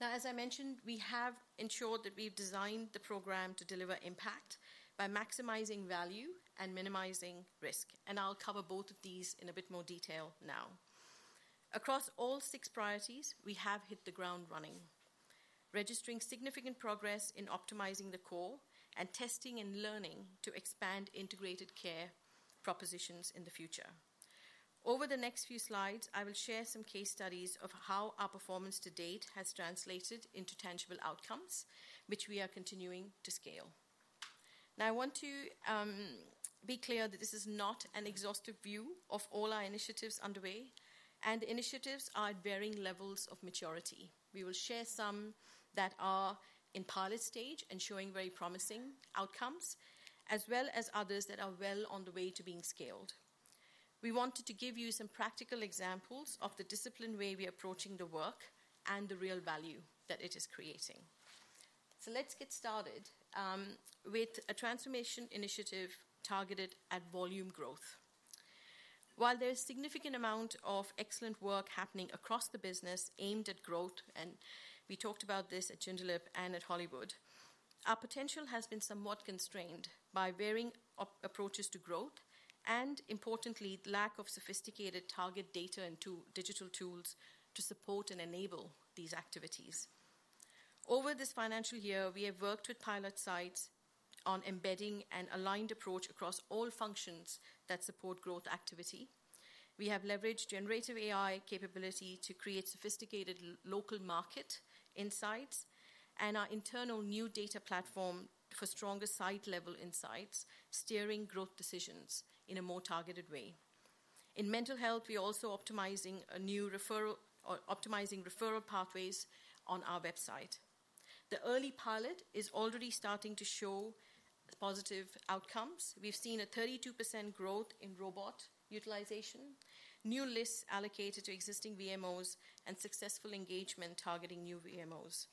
Now, as I mentioned, we have ensured that we've designed the program to deliver impact by maximizing value and minimizing risk, and I'll cover both of these in a bit more detail now. Across all six priorities, we have hit the ground running, registering significant progress in optimizing the core and testing and learning to expand integrated care propositions in the future. Over the next few slides, I will share some case studies of how our performance to date has translated into tangible outcomes, which we are continuing to scale. Now, I want to be clear that this is not an exhaustive view of all our initiatives underway, and initiatives are at varying levels of maturity. We will share some that are in pilot stage and showing very promising outcomes, as well as others that are well on the way to being scaled. We wanted to give you some practical examples of the disciplined way we are approaching the work and the real value that it is creating. So let's get started with a transformation initiative targeted at volume growth. While there is significant amount of excellent work happening across the business aimed at growth, and we talked about this at Joondalup and at Hollywood, our potential has been somewhat constrained by varying approaches to growth and importantly, lack of sophisticated target data and digital tools to support and enable these activities. Over this financial year, we have worked with pilot sites on embedding an aligned approach across all functions that support growth activity. We have leveraged generative AI capability to create sophisticated local market insights and our internal new data platform for stronger site-level insights, steering growth decisions in a more targeted way. In mental health, we are also optimizing a new referral or optimizing referral pathways on our website. The early pilot is already starting to show positive outcomes. We've seen a 32% growth in robot utilization, new lists allocated to existing VMOs, and successful engagement targeting new VMOs.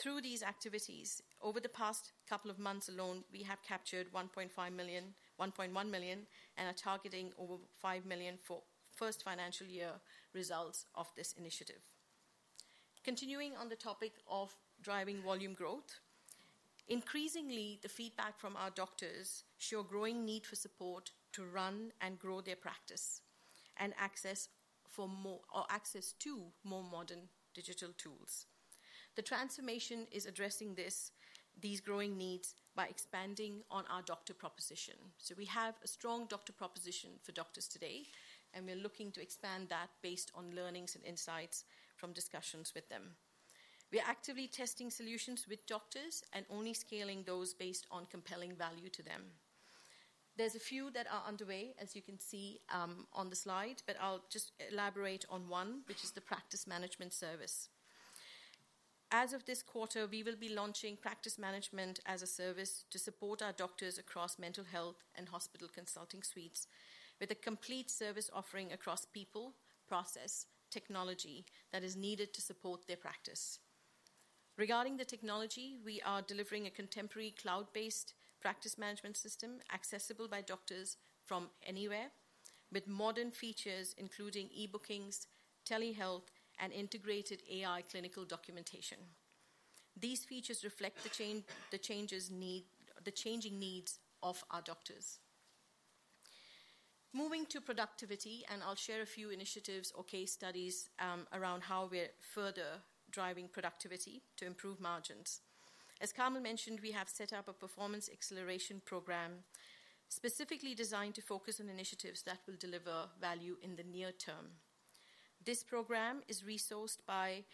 Through these activities, over the past couple of months alone, we have captured 1.5 million-1.1 million and are targeting over 5 million for first financial year results of this initiative. Continuing on the topic of driving volume growth, increasingly, the feedback from our doctors show a growing need for support to run and grow their practice and access for more, or access to more modern digital tools. The transformation is addressing this, these growing needs by expanding on our doctor proposition. So we have a strong doctor proposition for doctors today, and we're looking to expand that based on learnings and insights from discussions with them. We are actively testing solutions with doctors and only scaling those based on compelling value to them. There's a few that are underway, as you can see on the slide, but I'll just elaborate on one, which is the practice management service. As of this quarter, we will be launching practice management as a service to support our doctors across mental health and hospital consulting suites with a complete service offering across people, process, technology that is needed to support their practice. Regarding the technology, we are delivering a contemporary cloud-based practice management system, accessible by doctors from anywhere, with modern features including e-bookings, telehealth, and integrated AI clinical documentation. These features reflect the changing needs of our doctors. Moving to productivity, and I'll share a few initiatives or case studies around how we're further driving productivity to improve margins. As Carmel mentioned, we have set up a Performance Acceleration program specifically designed to focus on initiatives that will deliver value in the near term. This program is resourced by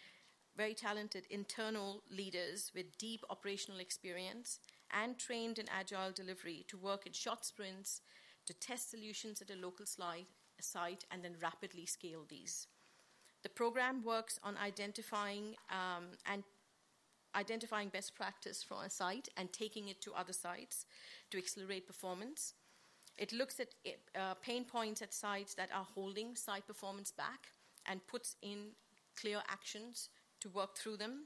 very talented internal leaders with deep operational experience and trained in agile delivery to work in short sprints, to test solutions at a local site, and then rapidly scale these. The program works on identifying, and identifying best practice for a site and taking it to other sites to accelerate performance. It looks at pain points at sites that are holding site performance back and puts in clear actions to work through them,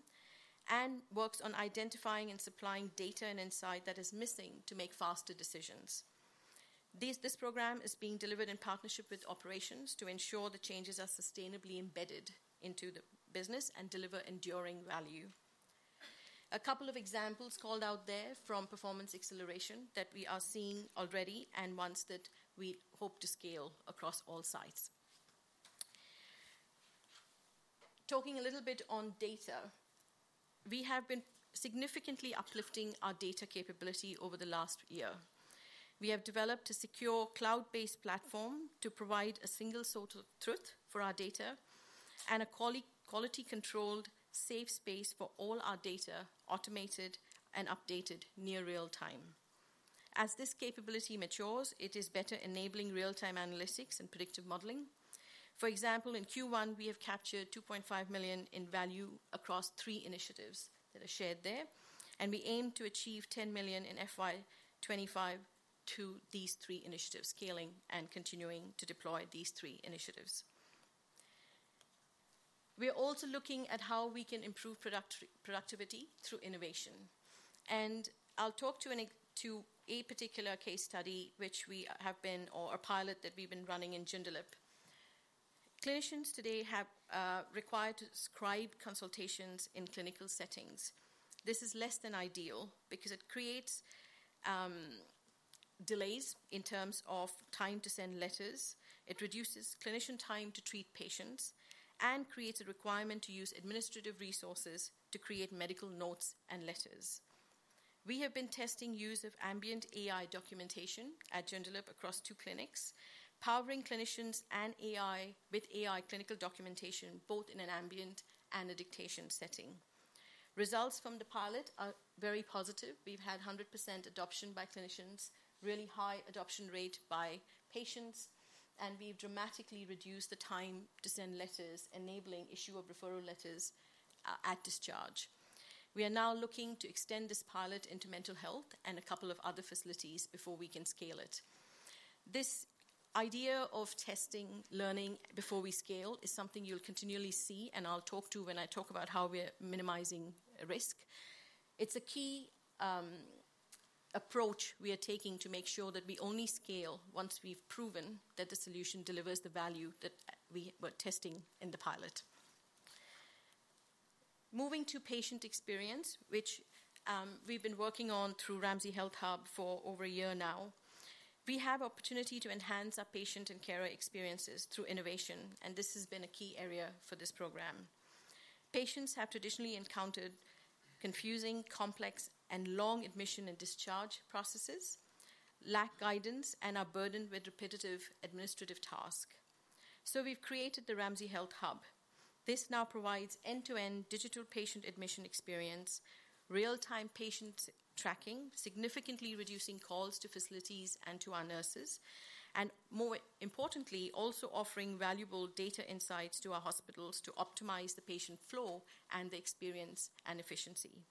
and works on identifying and supplying data and insight that is missing to make faster decisions. This program is being delivered in partnership with operations to ensure the changes are sustainably embedded into the business and deliver enduring value. A couple of examples called out there from Performance Acceleration that we are seeing already and ones that we hope to scale across all sites. Talking a little bit on data, we have been significantly uplifting our data capability over the last year. We have developed a secure cloud-based platform to provide a single source of truth for our data and a quality controlled, safe space for all our data, automated and updated near real time. As this capability matures, it is better enabling real-time analytics and predictive modeling. For example, in Q1, we have captured 2.5 million in value across three initiatives that are shared there, and we aim to achieve 10 million in FY 2025 to these three initiatives, scaling and continuing to deploy these three initiatives. We are also looking at how we can improve productivity through innovation, and I'll talk to a particular case study, or a pilot that we've been running in Joondalup. Clinicians today are required to scribe consultations in clinical settings. This is less than ideal because it creates delays in terms of time to send letters. It reduces clinician time to treat patients and creates a requirement to use administrative resources to create medical notes and letters. We have been testing use of ambient AI documentation at Joondalup across two clinics, powering clinicians and AI, with AI clinical documentation, both in an ambient and a dictation setting. Results from the pilot are very positive. We've had 100% adoption by clinicians, really high adoption rate by patients, and we've dramatically reduced the time to send letters, enabling issue of referral letters at discharge. We are now looking to extend this pilot into mental health and a couple of other facilities before we can scale it. This idea of testing, learning before we scale is something you'll continually see, and I'll talk to when I talk about how we're minimizing risk. It's a key approach we are taking to make sure that we only scale once we've proven that the solution delivers the value that we were testing in the pilot. Moving to patient experience, which we've been working on through Ramsay Health Hub for over a year now. We have opportunity to enhance our patient and carer experiences through innovation, and this has been a key area for this program. Patients have traditionally encountered confusing, complex, and long admission and discharge processes, lack guidance, and are burdened with repetitive administrative task. So we've created the Ramsay Health Hub. This now provides end-to-end digital patient admission experience, real-time patient tracking, significantly reducing calls to facilities and to our nurses, and more importantly, also offering valuable data insights to our hospitals to optimize the patient flow and the experience and efficiency.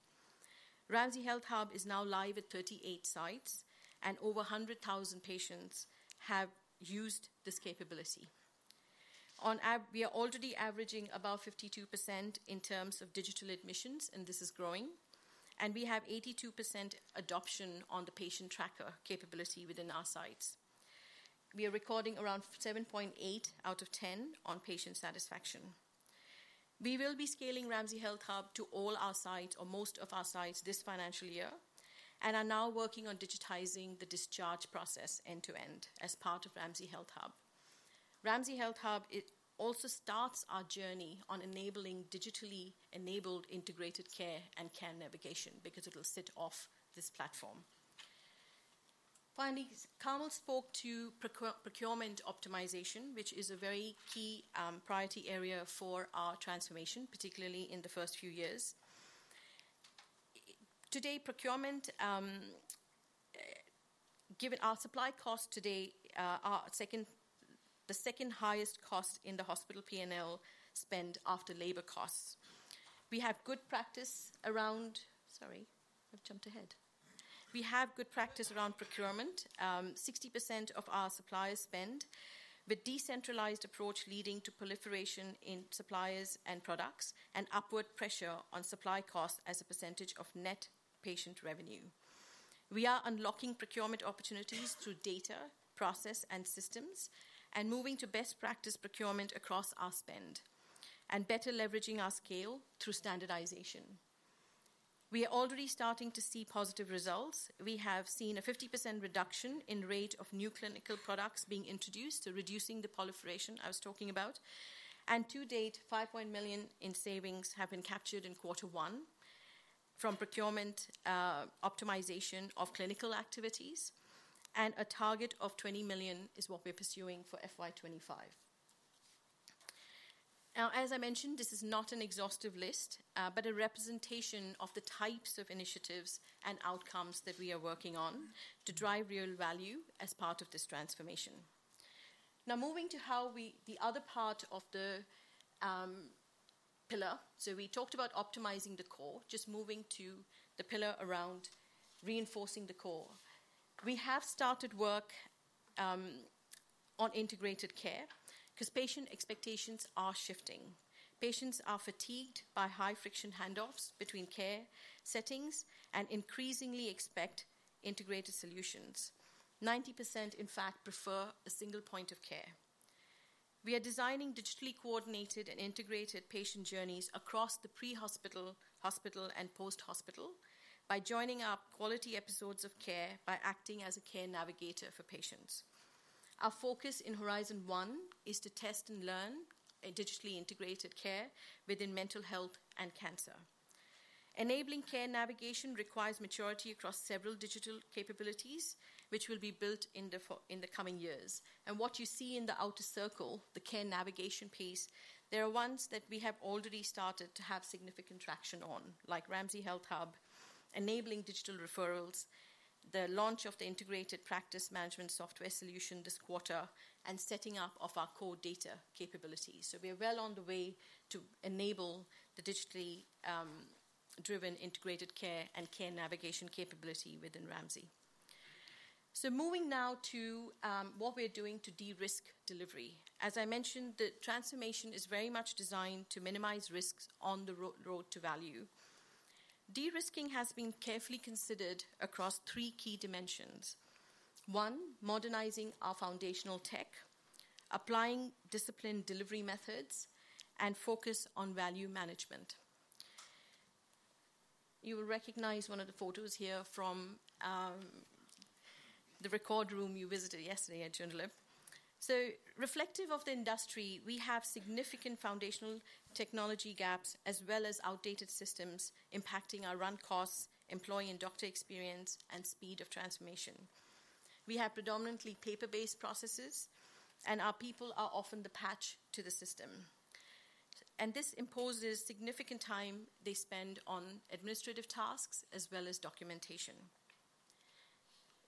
Ramsay Health Hub is now live at 38 sites, and over a hundred thousand patients have used this capability. On average we are already averaging about 52% in terms of digital admissions, and this is growing, and we have 82% adoption on the patient tracker capability within our sites. We are recording around 7.8 out of ten on patient satisfaction. We will be scaling Ramsay Health Hub to all our sites or most of our sites this financial year, and are now working on digitizing the discharge process end to end as part of Ramsay Health Hub. Ramsay Health Hub, it also starts our journey on enabling digitally enabled integrated care and care navigation because it'll sit off this platform. Finally, Carmel spoke to procurement optimization, which is a very key priority area for our transformation, particularly in the first few years. Today, procurement, given our supply costs today, are the second highest cost in the hospital P&L spend after labor costs. We have good practice around procurement, 60% of our supply spend, with decentralized approach leading to proliferation in suppliers and products and upward pressure on supply costs as a percentage of net patient revenue. We are unlocking procurement opportunities through data, process, and systems, and moving to best practice procurement across our spend, and better leveraging our scale through standardization. We are already starting to see positive results. We have seen a 50% reduction in rate of new clinical products being introduced, so reducing the proliferation I was talking about. And to date, 5 million in savings have been captured in quarter one from procurement, optimization of clinical activities, and a target of 20 million is what we're pursuing for FY 2025. Now, as I mentioned, this is not an exhaustive list, but a representation of the types of initiatives and outcomes that we are working on to drive real value as part of this transformation. Now, moving to how we, the other part of the pillar. So we talked about optimizing the core, just moving to the pillar around reinforcing the core. We have started work on integrated care because patient expectations are shifting. Patients are fatigued by high-friction handoffs between care settings and increasingly expect integrated solutions. 90%, in fact, prefer a single point of care. We are designing digitally coordinated and integrated patient journeys across the pre-hospital, hospital, and post-hospital by joining up quality episodes of care by acting as a care navigator for patients. Our focus in Horizon One is to test and learn a digitally integrated care within mental health and cancer. Enabling care navigation requires maturity across several digital capabilities, which will be built in the coming years. And what you see in the outer circle, the care navigation piece, they are ones that we have already started to have significant traction on, like Ramsay Health Hub, enabling digital referrals, the launch of the integrated practice management software solution this quarter, and setting up of our core data capabilities. So we are well on the way to enable the digitally driven integrated care and care navigation capability within Ramsay. So moving now to what we're doing to de-risk delivery. As I mentioned, the transformation is very much designed to minimize risks on the road to value. De-risking has been carefully considered across three key dimensions: one, modernizing our foundational tech, applying disciplined delivery methods, and focus on value management. You will recognize one of the photos here from the record room you visited yesterday at Joondalup. So reflective of the industry, we have significant foundational technology gaps, as well as outdated systems impacting our run costs, employee and doctor experience, and speed of transformation. We have predominantly paper-based processes, and our people are often the patch to the system. And this imposes significant time they spend on administrative tasks as well as documentation.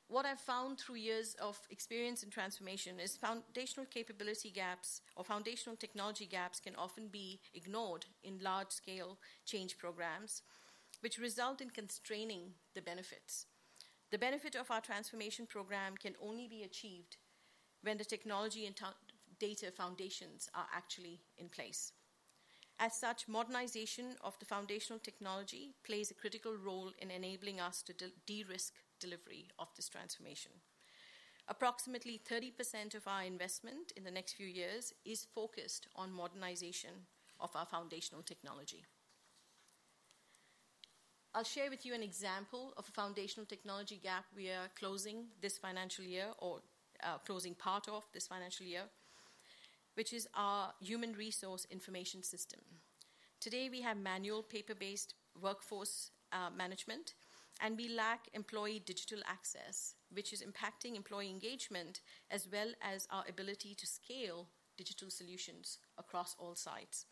What I've found through years of experience in transformation is foundational capability gaps or foundational technology gaps can often be ignored in large-scale change programs, which result in constraining the benefits. The benefit of our transformation program can only be achieved when the technology and data foundations are actually in place. As such, modernization of the foundational technology plays a critical role in enabling us to de-risk delivery of this transformation. Approximately 30% of our investment in the next few years is focused on modernization of our foundational technology. I'll share with you an example of a foundational technology gap we are closing this financial year or closing part of this financial year, which is our human resource information system. Today, we have manual, paper-based workforce management, and we lack employee digital access, which is impacting employee engagement as well as our ability to scale digital solutions across all sites.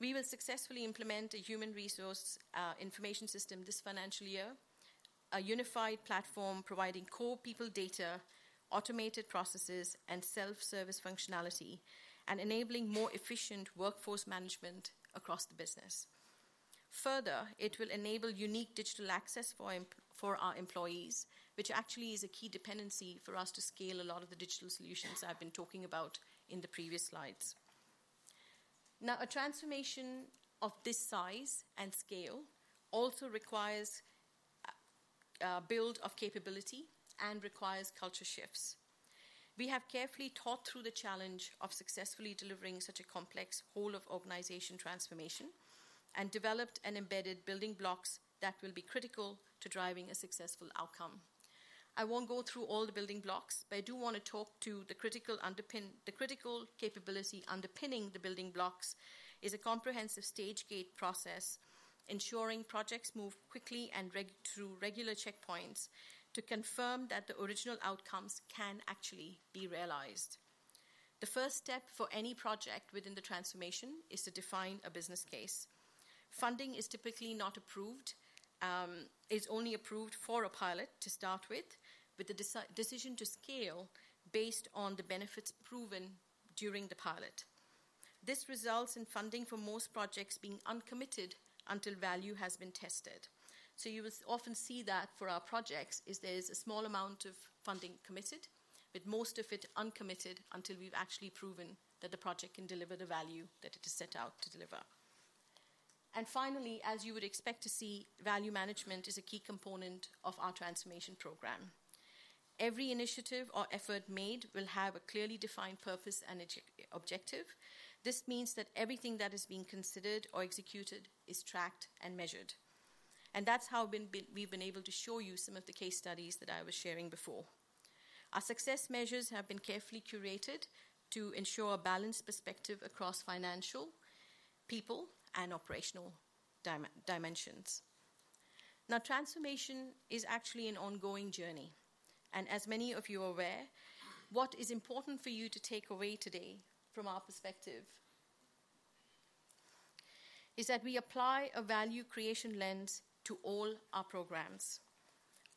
We will successfully implement a human resource information system this financial year, a unified platform providing core people data, automated processes, and self-service functionality, and enabling more efficient workforce management across the business. Further, it will enable unique digital access point for our employees, which actually is a key dependency for us to scale a lot of the digital solutions I've been talking about in the previous slides. Now, a transformation of this size and scale also requires build of capability and requires culture shifts. We have carefully thought through the challenge of successfully delivering such a complex whole of organization transformation and developed and embedded building blocks that will be critical to driving a successful outcome. I won't go through all the building blocks, but I do wanna talk to the critical underpin. The critical capability underpinning the building blocks is a comprehensive stage gate process, ensuring projects move quickly and regularly through regular checkpoints to confirm that the original outcomes can actually be realized. The first step for any project within the transformation is to define a business case. Funding is typically not approved. It's only approved for a pilot to start with, but the decision to scale based on the benefits proven during the pilot. This results in funding for most projects being uncommitted until value has been tested. So you will often see that for our projects, there is a small amount of funding committed, but most of it uncommitted until we've actually proven that the project can deliver the value that it is set out to deliver. Finally, as you would expect to see, value management is a key component of our transformation program. Every initiative or effort made will have a clearly defined purpose and objective. This means that everything that is being considered or executed is tracked and measured, and that's how we've been able to show you some of the case studies that I was sharing before. Our success measures have been carefully curated to ensure a balanced perspective across financial, people, and operational dimensions. Now, transformation is actually an ongoing journey, and as many of you are aware, what is important for you to take away today from our perspective, is that we apply a value creation lens to all our programs.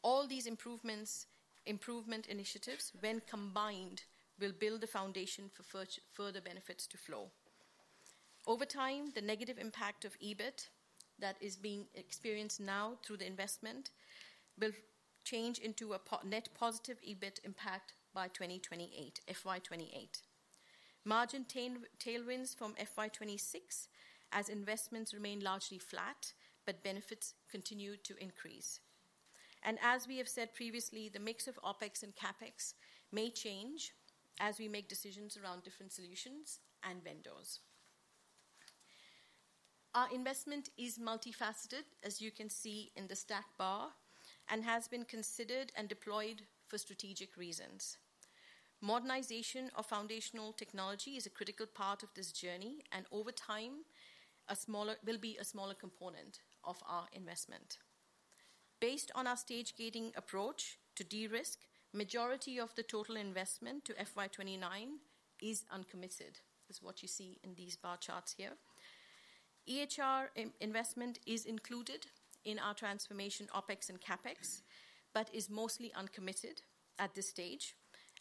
All these improvement initiatives, when combined, will build the foundation for further benefits to flow. Over time, the negative impact of EBIT that is being experienced now through the investment will change into a net positive EBIT impact by 2028, FY 2028. Margin tailwinds from FY 2026, as investments remain largely flat, but benefits continue to increase, and as we have said previously, the mix of OpEx and CapEx may change as we make decisions around different solutions and vendors. Our investment is multifaceted, as you can see in the stack bar, and has been considered and deployed for strategic reasons. Modernization of foundational technology is a critical part of this journey, and over time, will be a smaller component of our investment. Based on our stage-gating approach to de-risk, majority of the total investment to FY 2029 is uncommitted. This is what you see in these bar charts here. EHR investment is included in our transformation OpEx and CapEx, but is mostly uncommitted at this stage,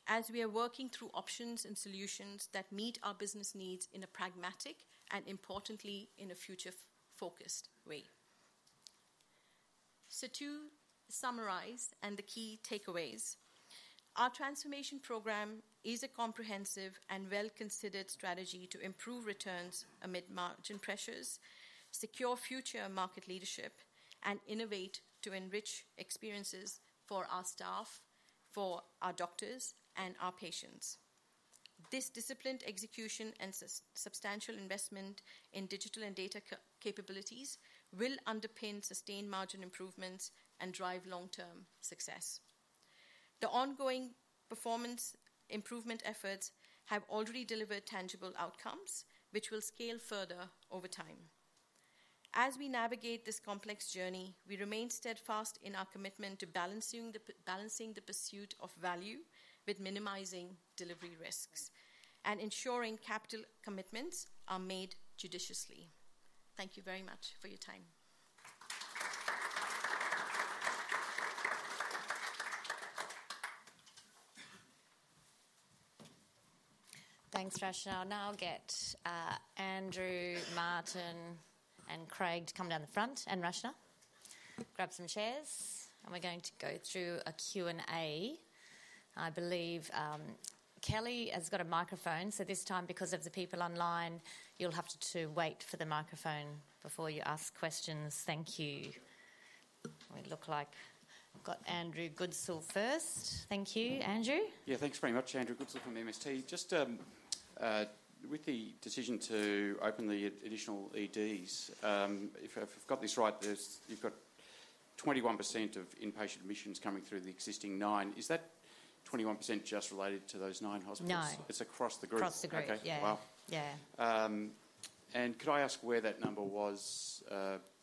as we are working through options and solutions that meet our business needs in a pragmatic and importantly, in a future-focused way, so to summarize and the key takeaways, our transformation program is a comprehensive and well-considered strategy to improve returns amid margin pressures, secure future market leadership, and innovate to enrich experiences for our staff, for our doctors, and our patients. This disciplined execution and substantial investment in digital and data capabilities will underpin sustained margin improvements and drive long-term success. The ongoing performance improvement efforts have already delivered tangible outcomes, which will scale further over time. As we navigate this complex journey, we remain steadfast in our commitment to balancing the pursuit of value with minimizing delivery risks, and ensuring capital commitments are made judiciously. Thank you very much for your time. Thanks, Rachna. I'll now get Andrew, Martyn, and Craig to come down the front, and Rachna. Grab some chairs, and we're going to go through a Q&A. I believe Kelly has got a microphone, so this time, because of the people online, you'll have to wait for the microphone before you ask questions. Thank you. We look like we've got Andrew Goodsall first. Thank you, Andrew. Yeah, thanks very much. Andrew Goodsall from MST. Just, with the decision to open the additional EDs, if I've got this right, there is, you've got 21% of inpatient admissions coming through the existing 9. Is that 21% just related to those 9 hospitals? No. It's across the group. Across the group. Okay. Yeah. Wow. Yeah. And could I ask where that number was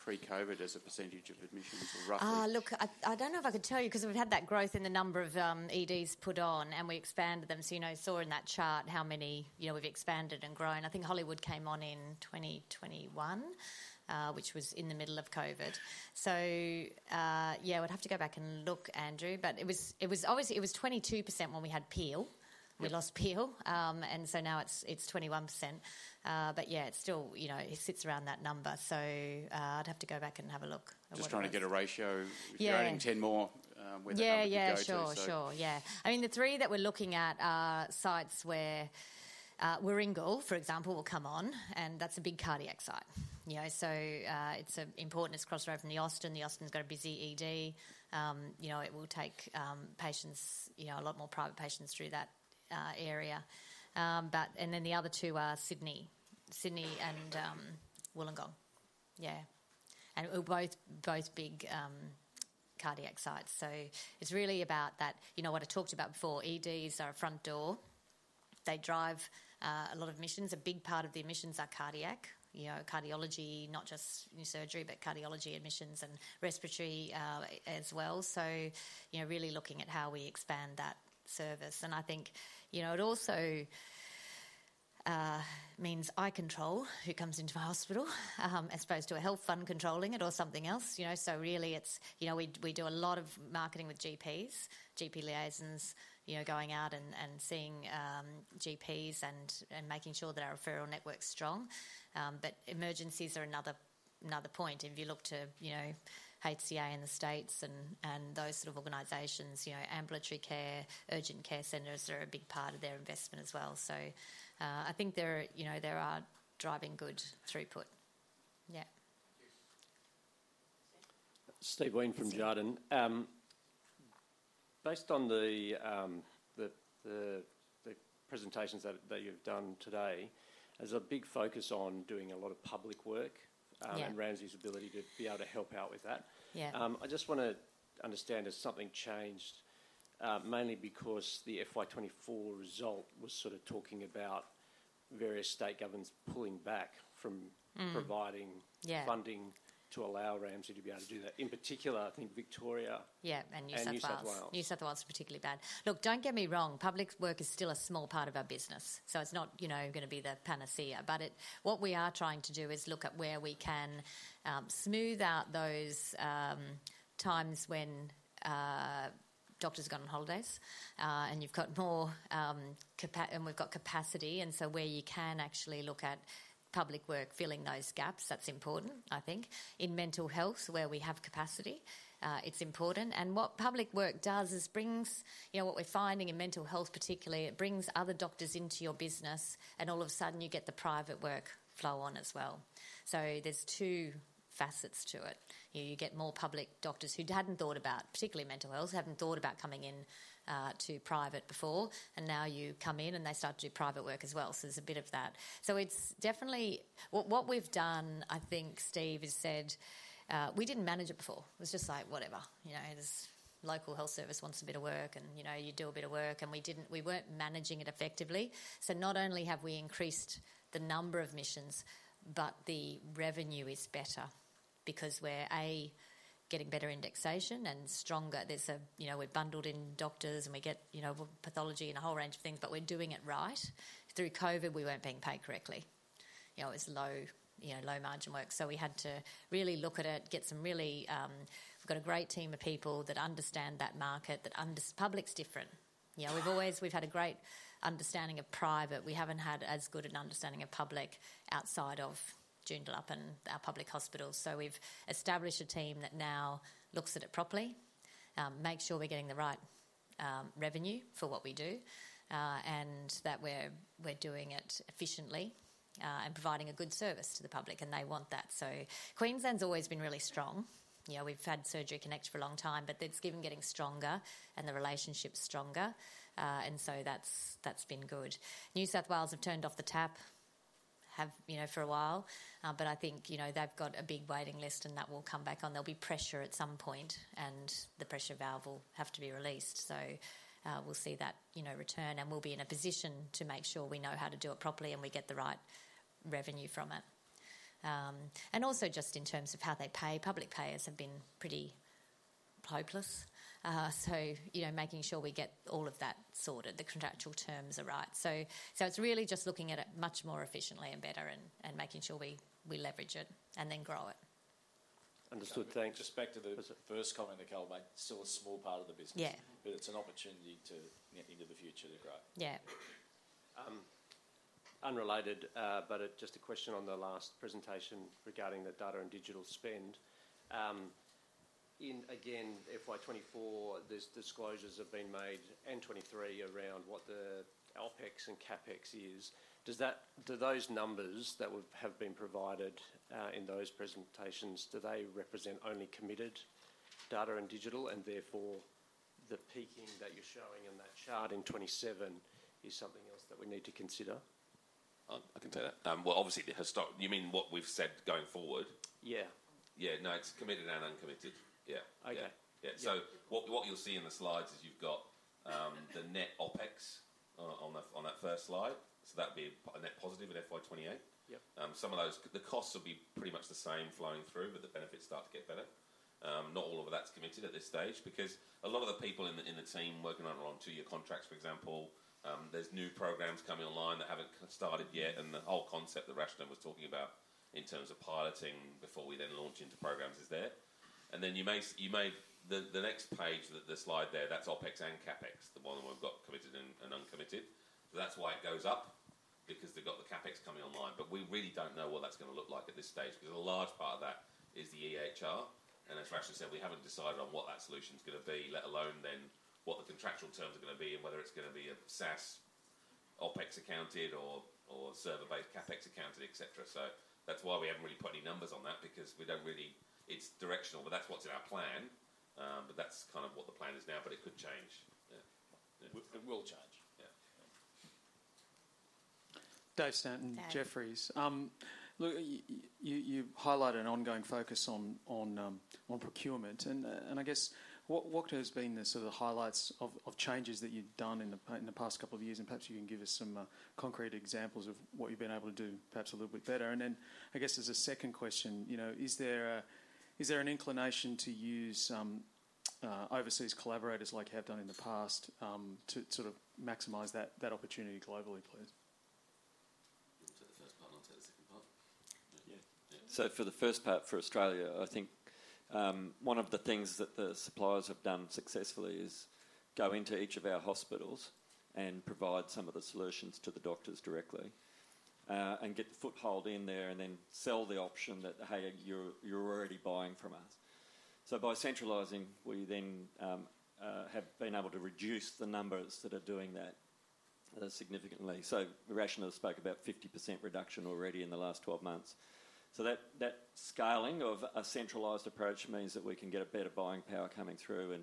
pre-COVID as a percentage of admissions, roughly? Look, I don't know if I could tell you, 'cause we've had that growth in the number of EDs put on, and we expanded them. So, you know, you saw in that chart how many, you know, we've expanded and grown. I think Hollywood came on in 2021, which was in the middle of COVID. Yeah, we'd have to go back and look, Andrew, but it was... Obviously, it was 22% when we had Peel. Yeah. We lost Peel, and so now it's 21%, but yeah, it's still, you know, it sits around that number, so I'd have to go back and have a look at what it was. Just trying to get a ratio. Yeah. If you're adding 10 more, where that number could go to, so- Yeah, sure. I mean, the three that we're looking at are sites where Warringal, for example, will come on, and that's a big cardiac site. You know, so it's important. It's across the road from the Austin. The Austin's got a busy ED. You know, it will take patients, you know, a lot more private patients through that area. But and then the other two are Sydney and Wollongong. Yeah, and both big cardiac sites. So it's really about that. You know, what I talked about before, EDs are a front door. They drive a lot of admissions. A big part of the admissions are cardiac, you know, cardiology, not just neurosurgery, but cardiology admissions and respiratory, as well. So, you know, really looking at how we expand that service. I think, you know, it also means I control who comes into my hospital, as opposed to a health fund controlling it or something else, you know? So really, it's... You know, we do a lot of marketing with GPs, GP liaisons, you know, going out and seeing GPs and making sure that our referral network's strong. But emergencies are another point. If you look to, you know, HCA in the States and those sort of organizations, you know, ambulatory care, urgent care centers are a big part of their investment as well. So, I think they're, you know, they are driving good throughput. Yeah. Thank you. Steve? Steve Wheen from Jarden. Based on the presentations that you've done today, there's a big focus on doing a lot of public work- Yeah... and Ramsay's ability to be able to help out with that. Yeah. I just wanna understand, has something changed? Mainly because the FY 2024 result was sort of talking about various state governments pulling back from- Mm... providing- Yeah - funding to allow Ramsay to be able to do that. In particular, I think Victoria- Yeah, and New South Wales. - and New South Wales. New South Wales is particularly bad. Look, don't get me wrong, public work is still a small part of our business, so it's not, you know, gonna be the panacea. But what we are trying to do is look at where we can smooth out those times when doctors have gone on holidays, and you've got more, and we've got capacity, and so where you can actually look at public work filling those gaps, that's important, I think. In mental health, where we have capacity, it's important, and what public work does is brings. You know, what we're finding in mental health particularly, it brings other doctors into your business, and all of a sudden you get the private work flow on as well. So there's two facets to it. You get more public doctors who hadn't thought about, particularly mental health, haven't thought about coming in to private before, and now you come in and they start to do private work as well, so there's a bit of that. So it's definitely... What we've done, I think, Steve, is said we didn't manage it before. It was just like, whatever, you know, this local health service wants a bit of work, and, you know, you do a bit of work, and we didn't-- we weren't managing it effectively. So not only have we increased the number of admissions, but the revenue is better because we're, A, getting better indexation and stronger. There's a, you know, we've bundled in doctors, and we get, you know, pathology and a whole range of things, but we're doing it right. Through COVID, we weren't being paid correctly. You know, it was low, you know, low margin work. So we had to really look at it, get some really. We've got a great team of people that understand that market, that the public's different. You know, we've always, we've had a great understanding of private. We haven't had as good an understanding of public outside of Joondalup and our public hospitals. So we've established a team that now looks at it properly, makes sure we're getting the right revenue for what we do, and that we're, we're doing it efficiently, and providing a good service to the public, and they want that. So Queensland's always been really strong. You know, we've had Surgery Connect for a long time, but it's even getting stronger and the relationship stronger, and so that's, that's been good. New South Wales have turned off the tap, you know, for a while, but I think, you know, they've got a big waiting list and that will come back on. There'll be pressure at some point, and the pressure valve will have to be released. So, we'll see that, you know, return, and we'll be in a position to make sure we know how to do it properly and we get the right revenue from it. And also just in terms of how they pay, public payers have been pretty hopeless. So, you know, making sure we get all of that sorted, the contractual terms are right. So, it's really just looking at it much more efficiently and better and making sure we leverage it and then grow it. Understood. Thanks. With respect to the- Yes sir. First comment to Carmel, still a small part of the business. Yeah. But it's an opportunity to, into the future to grow. Yeah. Unrelated, but just a question on the last presentation regarding the data and digital spend. In, again, FY 2024, there's disclosures have been made, and 2023, around what the OpEx and CapEx is. Do those numbers that would have been provided in those presentations, do they represent only committed data and digital, and therefore, the peaking that you're showing in that chart in 2027 is something else that we need to consider? I can take that. Well, obviously, you mean what we've said going forward? Yeah. Yeah. No, it's committed and uncommitted. Yeah. Okay. Yeah. Yeah. What you'll see in the slides is you've got the net OpEx on that first slide. That'd be a net positive in FY 2028. Yeah. Some of those, the costs will be pretty much the same flowing through, but the benefits start to get better. Not all of that's committed at this stage because a lot of the people in the team working on are on two-year contracts, for example. There's new programs coming online that haven't started yet, and the whole concept that Rachna was talking about in terms of piloting before we then launch into programs is there. Then you may. The next page, the slide there, that's OpEx and CapEx, the one where we've got committed and uncommitted. So that's why it goes up, because they've got the CapEx coming online. We really don't know what that's gonna look like at this stage, because a large part of that is the EHR. As Rachna said, we haven't decided on what that solution's gonna be, let alone then what the contractual terms are gonna be, and whether it's gonna be a SaaS, OpEx accounted or server-based CapEx accounted, et cetera. That's why we haven't really put any numbers on that, because we don't really... It's directional, but that's what's in our plan. But that's kind of what the plan is now, but it could change. Yeah. It will change. Yeah. Dave Stanton- Dave... Jefferies. Look, you highlighted an ongoing focus on procurement. And I guess, what has been the sort of highlights of changes that you've done in the past couple of years? And perhaps you can give us some concrete examples of what you've been able to do, perhaps a little bit better. And then, I guess as a second question, you know, is there an inclination to use overseas collaborators like you have done in the past to sort of maximize that opportunity globally, please? You take the first part, and I'll take the second part. Yeah. Yeah. So for the first part, for Australia, I think, one of the things that the suppliers have done successfully is go into each of our hospitals and provide some of the solutions to the doctors directly, and get the foothold in there and then sell the option that, "Hey, you're already buying from us." So by centralizing, we then have been able to reduce the numbers that are doing that significantly. So Rachna spoke about 50% reduction already in the last 12 months. So that scaling of a centralized approach means that we can get a better buying power coming through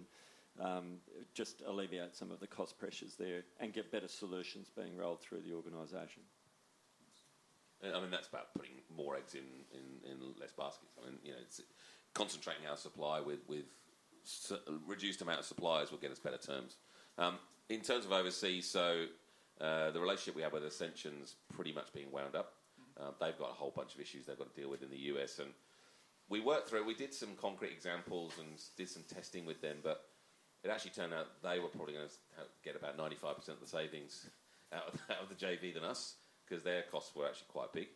and just alleviate some of the cost pressures there and get better solutions being rolled through the organization. I mean, that's about putting more eggs in less baskets. I mean, you know, it's concentrating our supply with a reduced amount of suppliers will get us better terms. In terms of overseas, the relationship we have with Ascension's pretty much being wound up. They've got a whole bunch of issues they've got to deal with in the U.S., and we worked through it. We did some concrete examples and did some testing with them, but it actually turned out they were probably gonna get about 95% of the savings out of the JV than us, 'cause their costs were actually quite big.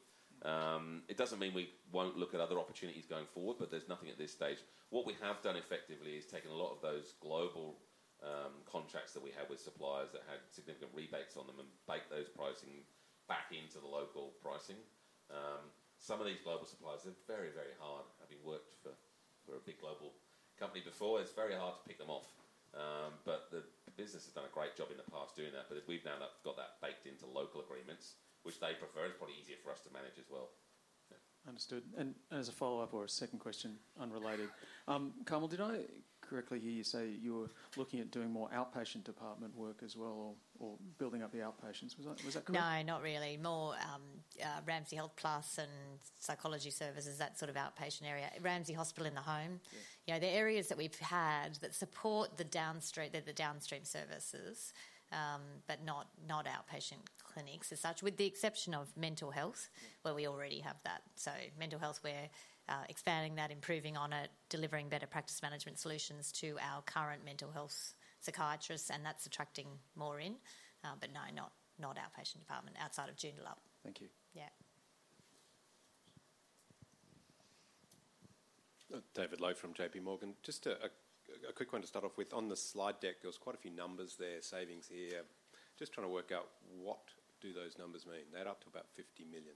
It doesn't mean we won't look at other opportunities going forward, but there's nothing at this stage. What we have done effectively is taken a lot of those global contracts that we had with suppliers that had significant rebates on them and bake those pricing back into the local pricing. Some of these global suppliers, they're very, very hard. Having worked for a big global company before, it's very hard to pick them off. But the business has done a great job in the past doing that. But as we've now have got that baked into local agreements, which they prefer, it's probably easier for us to manage as well. Yeah. Understood. And as a follow-up or a second question, unrelated: Carmel, did I correctly hear you say you were looking at doing more outpatient department work as well or building up the outpatients? Was that correct? No, not really. More, Ramsay Health Plus and psychology services, that sort of outpatient area. Ramsay Hospital in the Home. Yeah. You know, the areas that we've had that support the downstream, they're the downstream services, but not outpatient clinics as such, with the exception of mental health- Yeah... where we already have that. So mental health, we're expanding that, improving on it, delivering better practice management solutions to our current mental health psychiatrists, and that's attracting more in. But no, not outpatient department outside of Joondalup. Thank you. Yeah. David Lowe from J.P. Morgan. Just a quick one to start off with. On the slide deck, there was quite a few numbers there, savings here. Just trying to work out what do those numbers mean? They're up to about fifty million.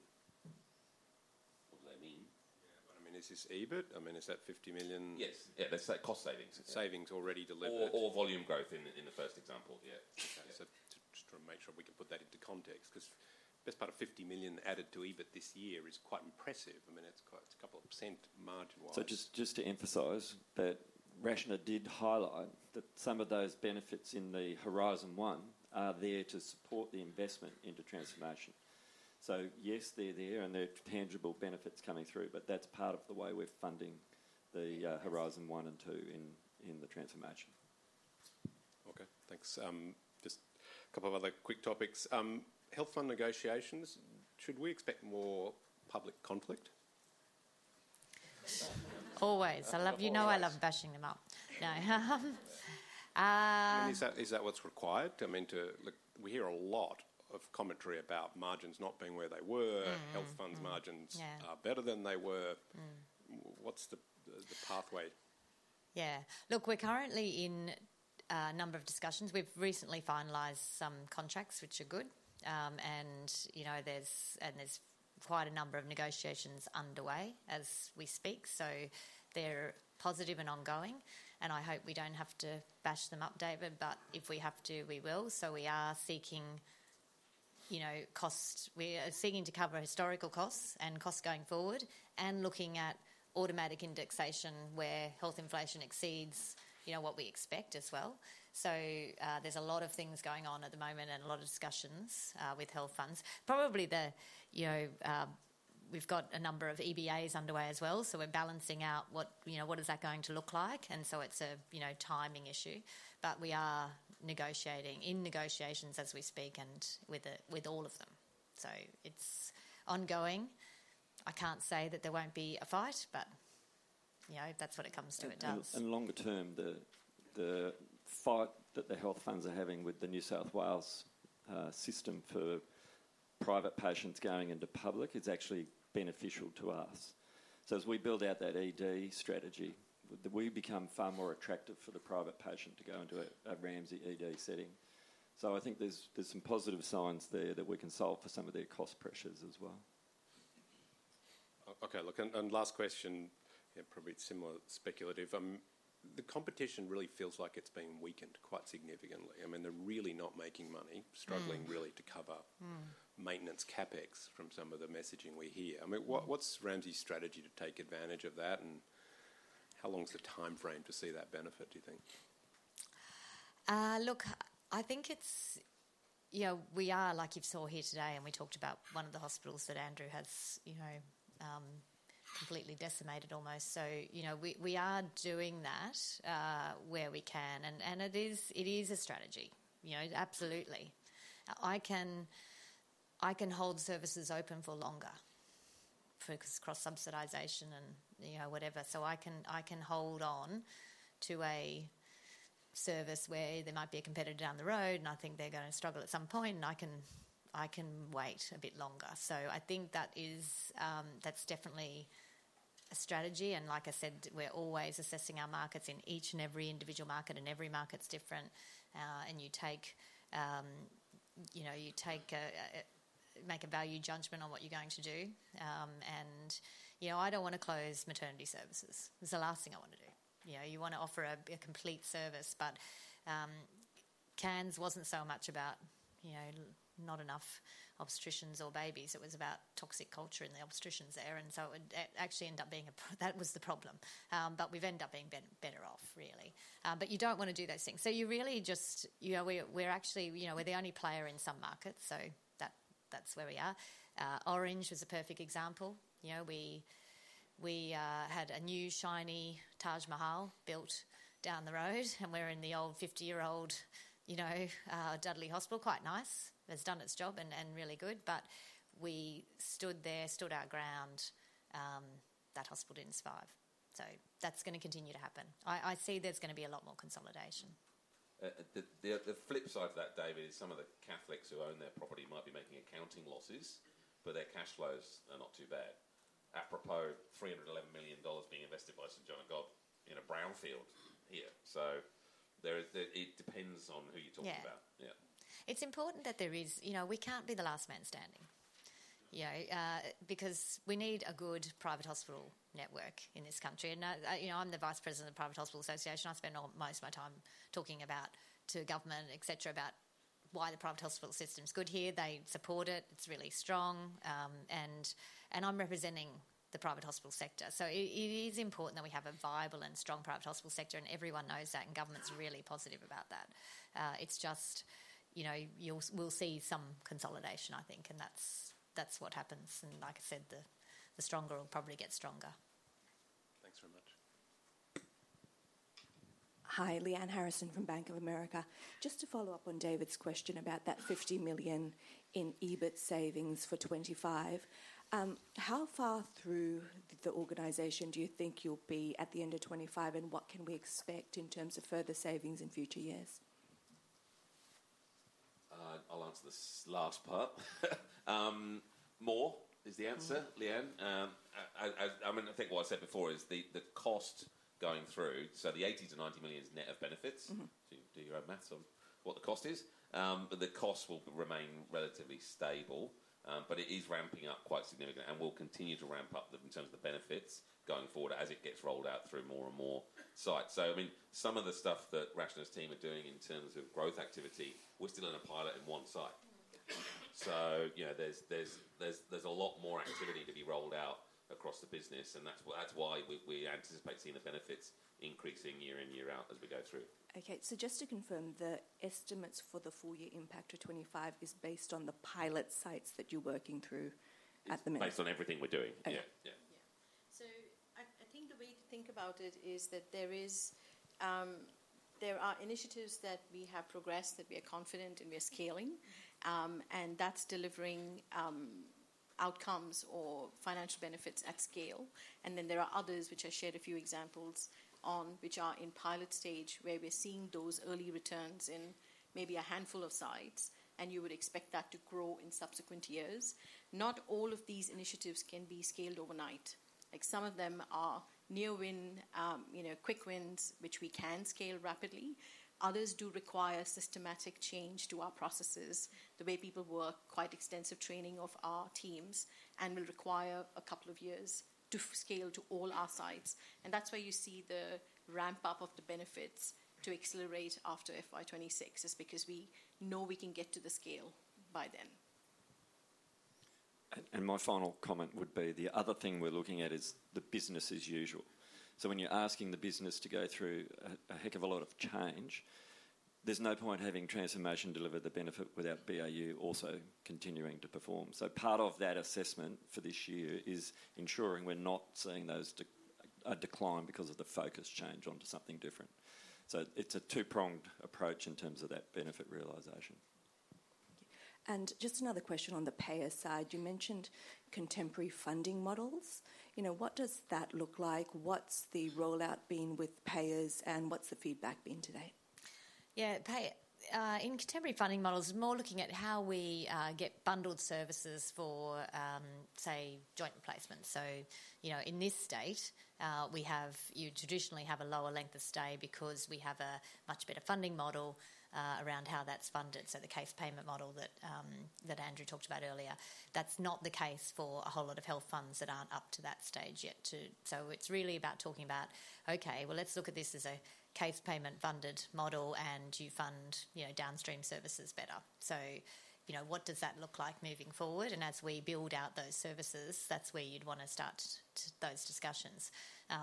What do they mean? Yeah. I mean, is this EBIT? I mean, is that 50 million- Yes. Yeah, that's cost savings. Savings already delivered. Or volume growth in the first example. Yeah. Okay. Yeah. So just trying to make sure we can put that into context, 'cause best part of fifty million added to EBIT this year is quite impressive. I mean, it's quite, it's a couple of % margin-wise. So just to emphasize that Rachna did highlight that some of those benefits in the Horizon One are there to support the investment into transformation. So yes, they're there, and there are tangible benefits coming through, but that's part of the way we're funding the Horizon One and Two in the transformation.... Thanks. Just a couple of other quick topics. Health fund negotiations, should we expect more public conflict? Always. I love- Always. You know I love bashing them up. Is that, is that what's required? I mean, Look, we hear a lot of commentary about margins not being where they were. Mm-hmm. Health funds' margins- Yeah are better than they were. Mm. What's the pathway? Yeah. Look, we're currently in a number of discussions. We've recently finalised some contracts, which are good. And, you know, there's quite a number of negotiations underway as we speak, so they're positive and ongoing, and I hope we don't have to bash them up, David, but if we have to, we will. So we are seeking, you know, to cover historical costs and costs going forward and looking at automatic indexation where health inflation exceeds, you know, what we expect as well. So, there's a lot of things going on at the moment and a lot of discussions with health funds. Probably the, you know, we've got a number of EBAs underway as well, so we're balancing out what, you know, what is that going to look like, and so it's a, you know, timing issue. But we are negotiating, in negotiations as we speak, and with the, with all of them. So it's ongoing. I can't say that there won't be a fight, but, you know, if that's what it comes to, it does. Longer term, the fight that the health funds are having with the New South Wales system for private patients going into public is actually beneficial to us. So as we build out that ED strategy, we become far more attractive for the private patient to go into a Ramsay ED setting. So I think there's some positive signs there that we can solve for some of their cost pressures as well. Okay, look, and last question, yeah, probably similar, speculative. The competition really feels like it's been weakened quite significantly. I mean, they're really not making money- Mm... struggling really to cover- Mm Maintenance CapEx from some of the messaging we hear. Mm. I mean, what, what's Ramsay's strategy to take advantage of that, and how long is the time frame to see that benefit, do you think? Look, I think it's... You know, we are, like you saw here today, and we talked about one of the hospitals that Andrew has, you know, completely decimated almost. So, you know, we are doing that where we can, and it is a strategy, you know? Absolutely. I can hold services open for longer because cross-subsidisation and, you know, whatever. So I can hold on to a service where there might be a competitor down the road, and I think they're gonna struggle at some point, and I can wait a bit longer. So I think that is, that's definitely a strategy, and like I said, we're always assessing our markets in each and every individual market, and every market's different. And you know, you make a value judgment on what you're going to do. And you know, I don't want to close maternity services. It's the last thing I want to do. You know, you want to offer a complete service, but Cairns wasn't so much about you know, not enough obstetricians or babies. It was about toxic culture and the obstetricians there, and so it actually ended up being. That was the problem. But we've ended up being better off, really. But you don't want to do those things. So you really just... You know, we're actually you know, we're the only player in some markets, so that's where we are. Orange is a perfect example. You know, we had a new, shiny Taj Mahal built down the road, and we're in the old fifty-year-old, you know, Dudley Hospital. Quite nice. It's done its job and really good, but we stood there, stood our ground. That hospital didn't survive, so that's going to continue to happen. I see there's going to be a lot more consolidation. The flip side to that, David, is some of the Catholics who own their property might be making accounting losses, but their cash flows are not too bad. Apropos 311 million dollars being invested by St John of God in a brownfield here, so there is it depends on who you're talking about. Yeah. Yeah. It's important that there is. You know, we can't be the last man standing. You know, because we need a good private hospital network in this country. And, you know, I'm the Vice President of Private Hospitals Association. I spend most of my time talking to government, et cetera, about why the private hospital system is good here. They support it. It's really strong, and I'm representing the private hospital sector. So it is important that we have a viable and strong private hospital sector, and everyone knows that, and government's really positive about that. It's just, you know, we'll see some consolidation, I think, and that's what happens, and like I said, the stronger will probably get stronger. Thanks very much. Hi, Liane Harrison from Bank of America. Just to follow up on David's question about that 50 million in EBIT savings for 2025, how far through the organization do you think you'll be at the end of 2025, and what can we expect in terms of further savings in future years? I'll answer this last part. More is the answer- Mm... Leanne. I mean, I think what I said before is the cost going through, so the 80 million-90 million is net of benefits. Mm-hmm. Do your own math on what the cost is. But the cost will remain relatively stable, but it is ramping up quite significantly and will continue to ramp up in terms of the benefits going forward as it gets rolled out through more and more sites. So, I mean, some of the stuff that Rach and his team are doing in terms of growth activity, we're still in a pilot in one site. So, you know, there's a lot more activity to be rolled out across the business, and that's why we anticipate seeing the benefits increasing year in, year out as we go through. Okay, so just to confirm, the estimates for the full year impact of twenty-five is based on the pilot sites that you're working through at the moment? It's based on everything we're doing. Okay. Yeah, yeah.... to think about it is that there is, there are initiatives that we have progressed, that we are confident and we are scaling, and that's delivering, outcomes or financial benefits at scale. And then there are others which I shared a few examples on, which are in pilot stage, where we're seeing those early returns in maybe a handful of sites, and you would expect that to grow in subsequent years. Not all of these initiatives can be scaled overnight. Like, some of them are near-win, you know, quick wins, which we can scale rapidly. Others do require systematic change to our processes, the way people work, quite extensive training of our teams, and will require a couple of years to scale to all our sites. That's why you see the ramp-up of the benefits to accelerate after FY 2026, is because we know we can get to the scale by then. My final comment would be, the other thing we're looking at is the business as usual. So when you're asking the business to go through a heck of a lot of change, there's no point having transformation deliver the benefit without BAU also continuing to perform. So part of that assessment for this year is ensuring we're not seeing a decline because of the focus change onto something different. So it's a two-pronged approach in terms of that benefit realization. Thank you. And just another question on the payer side: you mentioned contemporary funding models. You know, what does that look like? What's the rollout been with payers, and what's the feedback been to date? Yeah, in contemporary funding models, more looking at how we get bundled services for, say, joint replacement. So, you know, in this state, you traditionally have a lower length of stay because we have a much better funding model around how that's funded, so the case payment model that Andrew talked about earlier. That's not the case for a whole lot of health funds that aren't up to that stage yet, too. So it's really about talking about, "Okay, well, let's look at this as a case payment-funded model, and you fund, you know, downstream services better." So, you know, what does that look like moving forward, and as we build out those services, that's where you'd want to start those discussions.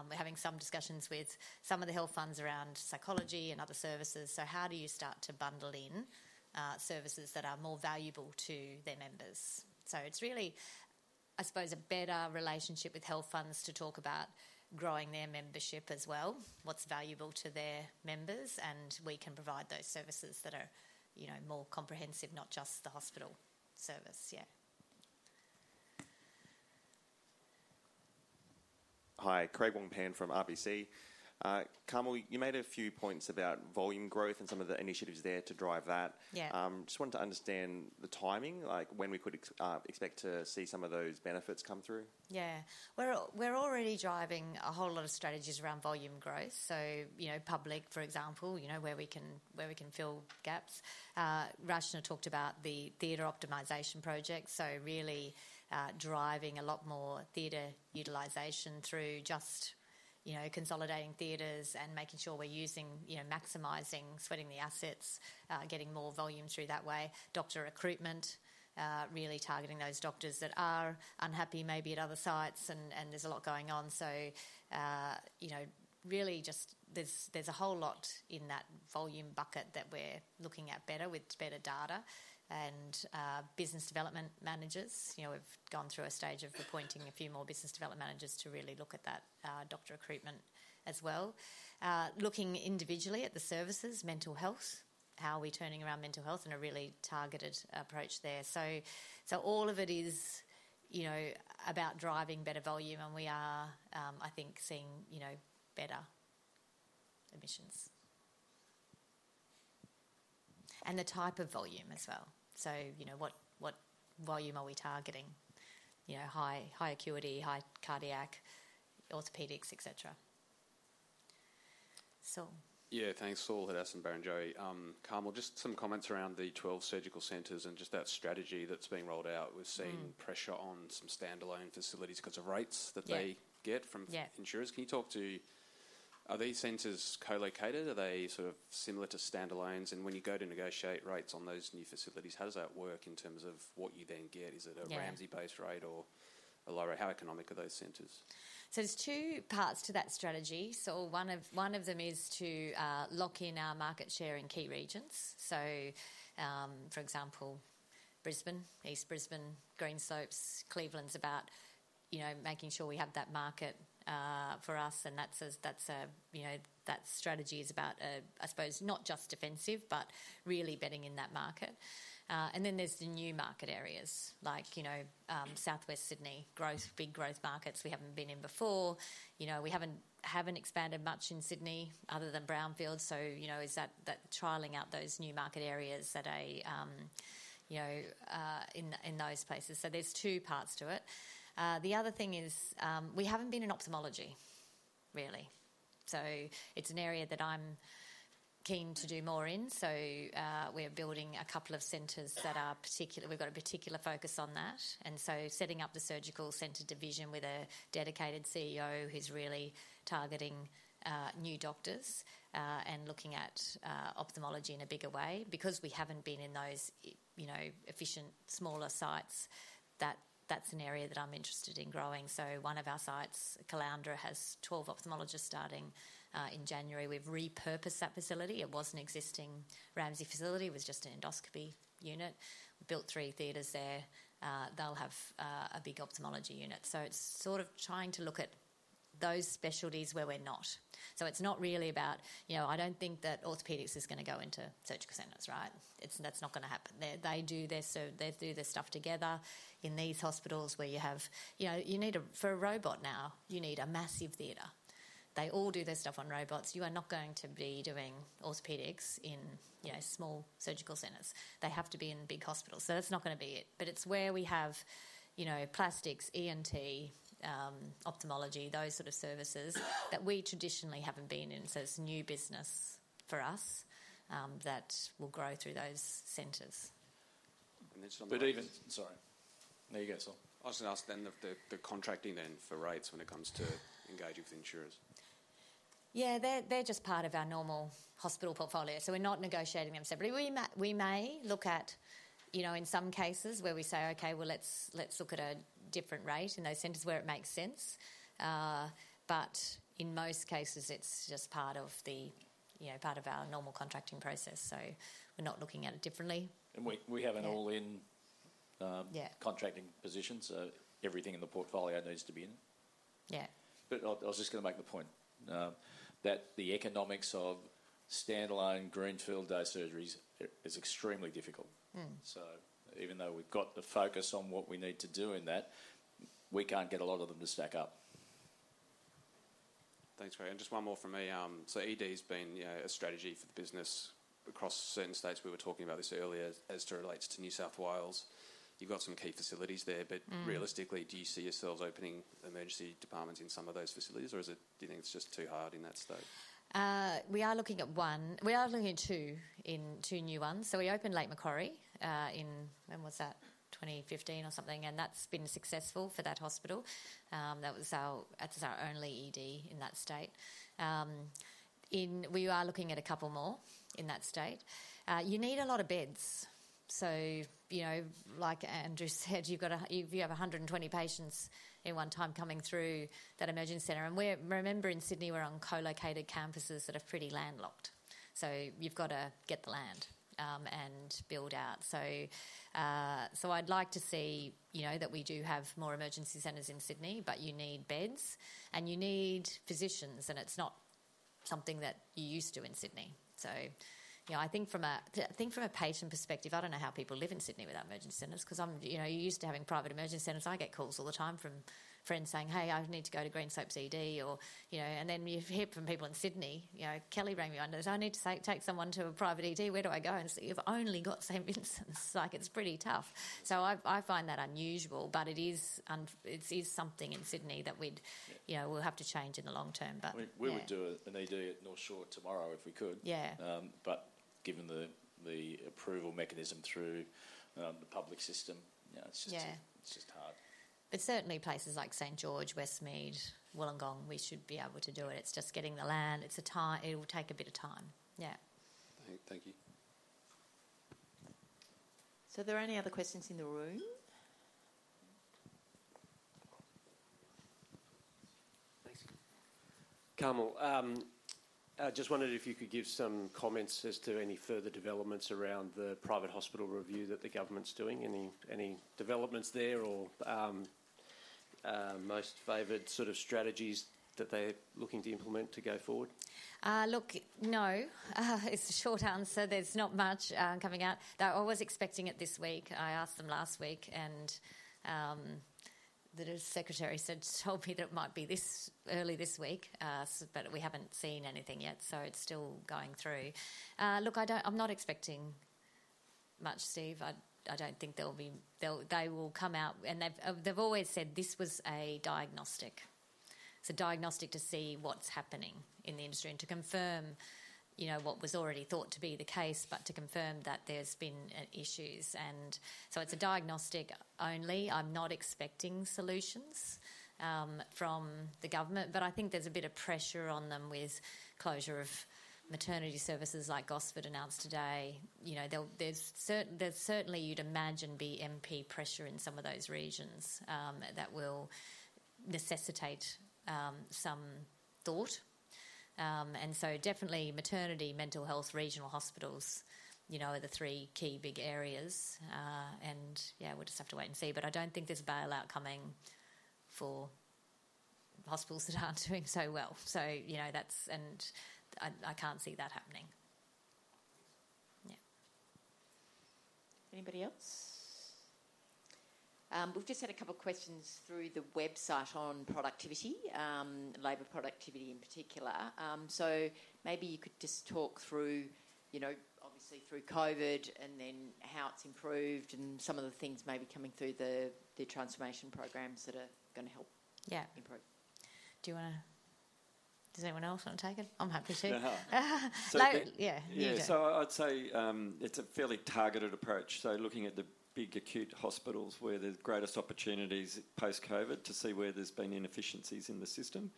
We're having some discussions with some of the health funds around psychology and other services. So how do you start to bundle in services that are more valuable to their members? So it's really, I suppose, a better relationship with health funds to talk about growing their membership as well, what's valuable to their members, and we can provide those services that are, you know, more comprehensive, not just the hospital service. Yeah. Hi, Craig Wong-Pan from RBC. Carmel, you made a few points about volume growth and some of the initiatives there to drive that. Yeah. Just wanted to understand the timing, like, when we could expect to see some of those benefits come through. Yeah. We're already driving a whole lot of strategies around volume growth. So, you know, public, for example, you know, where we can fill gaps. Rachna talked about the theater optimization project, so really driving a lot more theater utilization through just, you know, consolidating theaters and making sure we're using, you know, maximizing, sweating the assets, getting more volume through that way. Doctor recruitment, really targeting those doctors that are unhappy, maybe at other sites, and there's a lot going on. So, you know, really just there's a whole lot in that volume bucket that we're looking at better with better data and business development managers. You know, we've gone through a stage of appointing a few more business development managers to really look at that, doctor recruitment as well. Looking individually at the services, mental health, how are we turning around mental health in a really targeted approach there. So, so all of it is, you know, about driving better volume, and we are, I think, seeing, you know, better admissions, and the type of volume as well, so, you know, what, what volume are we targeting? You know, high, high acuity, high cardiac, orthopedics, et cetera. Saul? Yeah. Thanks, Saul Hadassin, Barrenjoey. Carmel, just some comments around the 12 surgical centers and just that strategy that's being rolled out. Mm. We've seen pressure on some standalone facilities because of rates. Yeah... that they get from- Yeah insurers. Can you talk to, are these centers co-located? Are they sort of similar to standalones? And when you go to negotiate rates on those new facilities, how does that work in terms of what you then get? Yeah. Is it a Ramsay-based rate or a lower, how economic are those centers? So there's two parts to that strategy. So one of, one of them is to lock in our market share in key regions. So, for example, Brisbane, East Brisbane, Greenslopes, Cleveland's about, you know, making sure we have that market for us, and that's a, that's a, you know, that strategy is about, I suppose, not just defensive, but really betting in that market. And then there's the new market areas, like, you know, South West Sydney, growth, big growth markets we haven't been in before. You know, we haven't, haven't expanded much in Sydney other than brownfield, so, you know, is that, that trialing out those new market areas that I, you know, in, in those places. So there's two parts to it. The other thing is, we haven't been in ophthalmology, really, so it's an area that I'm keen to do more in. So, we're building a couple of centers. We've got a particular focus on that, and so setting up the surgical center division with a dedicated CEO who's really targeting new doctors and looking at ophthalmology in a bigger way. Because we haven't been in those, you know, efficient, smaller sites, that's an area that I'm interested in growing. So one of our sites, Caloundra, has 12 ophthalmologists starting in January. We've repurposed that facility. It was an existing Ramsay facility. It was just an endoscopy unit. We built 3 theaters there. They'll have a big ophthalmology unit. So it's sort of trying to look at those specialties where we're not. So it's not really about, you know, I don't think that orthopedics is gonna go into surgical centers, right? It's. That's not gonna happen. They do their stuff together in these hospitals where you have. You know, you need a massive theater for a robot now. They all do their stuff on robots. You are not going to be doing orthopedics in, you know, small surgical centers. They have to be in big hospitals, so that's not gonna be it. But it's where we have, you know, plastics, ENT, ophthalmology, those sort of services, that we traditionally haven't been in. So it's new business for us, that will grow through those centers. And then some- But even... Sorry. No, you go, so. I was gonna ask then, the contracting then for rates when it comes to engaging with insurers? Yeah, they're just part of our normal hospital portfolio, so we're not negotiating them separately. We may look at, you know, in some cases where we say, "Okay, well, let's look at a different rate," in those centers where it makes sense. But in most cases, it's just part of the, you know, part of our normal contracting process, so we're not looking at it differently. We have an all-in- Yeah... contracting position, so everything in the portfolio needs to be in. Yeah. But I was just gonna make the point that the economics of standalone greenfield day surgeries is extremely difficult. Mm. So even though we've got the focus on what we need to do in that, we can't get a lot of them to stack up. Thanks, Gary, and just one more from me. So ED's been, you know, a strategy for the business across certain states. We were talking about this earlier as it relates to New South Wales. You've got some key facilities there- Mm. But realistically, do you see yourselves opening emergency departments in some of those facilities, or is it, do you think it's just too hard in that state? We are looking at one. We are looking at two in two new ones. We opened Lake Macquarie in 2015 or something, and that's been successful for that hospital. That's our only ED in that state. In that state, we are looking at a couple more. You need a lot of beds, so you know, like Andrew said, you have 120 patients at one time coming through that emergency center. And remember, in Sydney, we're on co-located campuses that are pretty landlocked, so you've got to get the land and build out. I'd like to see, you know, that we do have more emergency centers in Sydney, but you need beds and you need physicians, and it's not something that you're used to in Sydney. So you know, I think from a patient perspective, I don't know how people live in Sydney without emergency centers, 'cause I'm, you know, used to having private emergency centers. I get calls all the time from friends saying, "Hey, I need to go to Greenslopes ED," or, you know, and then you hear from people in Sydney, you know, Kelly rang me up, "I need to take someone to a private ED. Where do I go?" And you've only got St Vincent's. Like, it's pretty tough. So I find that unusual, but it is something in Sydney that we'd, you know, will have to change in the long term, but yeah. We would do an ED at North Shore tomorrow if we could. Yeah. But given the approval mechanism through the public system, you know, it's just- Yeah ... it's just hard. But certainly places like St George, Westmead, Wollongong, we should be able to do it. It's just getting the land, it's a time. It'll take a bit of time. Yeah. Thank you. So are there any other questions in the room? Thanks. Carmel, I just wondered if you could give some comments as to any further developments around the private hospital review that the government's doing. Any developments there or most favored sort of strategies that they're looking to implement to go forward? Look, no, it's the short answer. There's not much coming out. They, I was expecting it this week. I asked them last week, and the secretary said, told me that it might be this early this week, but we haven't seen anything yet, so it's still going through. Look, I don't. I'm not expecting much, Steve. I don't think there'll be. They'll, they will come out, and they've always said this was a diagnostic. It's a diagnostic to see what's happening in the industry and to confirm, you know, what was already thought to be the case, but to confirm that there's been issues. So it's a diagnostic only. I'm not expecting solutions from the government, but I think there's a bit of pressure on them with closure of maternity services like Gosford announced today. You know, there's certainly you'd imagine be MP pressure in some of those regions that will necessitate some thought, and so definitely maternity, mental health, regional hospitals, you know, are the three key big areas. Yeah, we'll just have to wait and see, but I don't think there's a bailout coming for hospitals that aren't doing so well, so you know, that's, and I can't see that happening. Yeah. Anybody else? We've just had a couple of questions through the website on productivity, labor productivity in particular, so maybe you could just talk through, you know, obviously through COVID, and then how it's improved and some of the things maybe coming through the transformation programs that are gonna help- Yeah... improve. Does anyone else want to take it? I'm happy to. No. Yeah, you do. Yeah, so I'd say it's a fairly targeted approach. So looking at the big acute hospitals where there's greatest opportunities post-COVID to see where there's been inefficiencies in the system.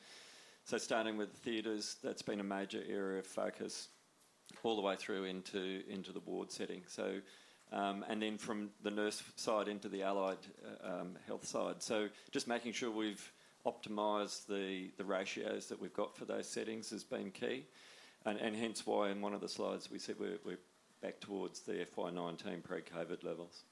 So starting with theaters, that's been a major area of focus all the way through into the ward setting. So and then from the nurse side into the allied health side. So just making sure we've optimized the ratios that we've got for those settings has been key. And hence why in one of the slides, we said we're back towards the FY nineteen pre-COVID levels.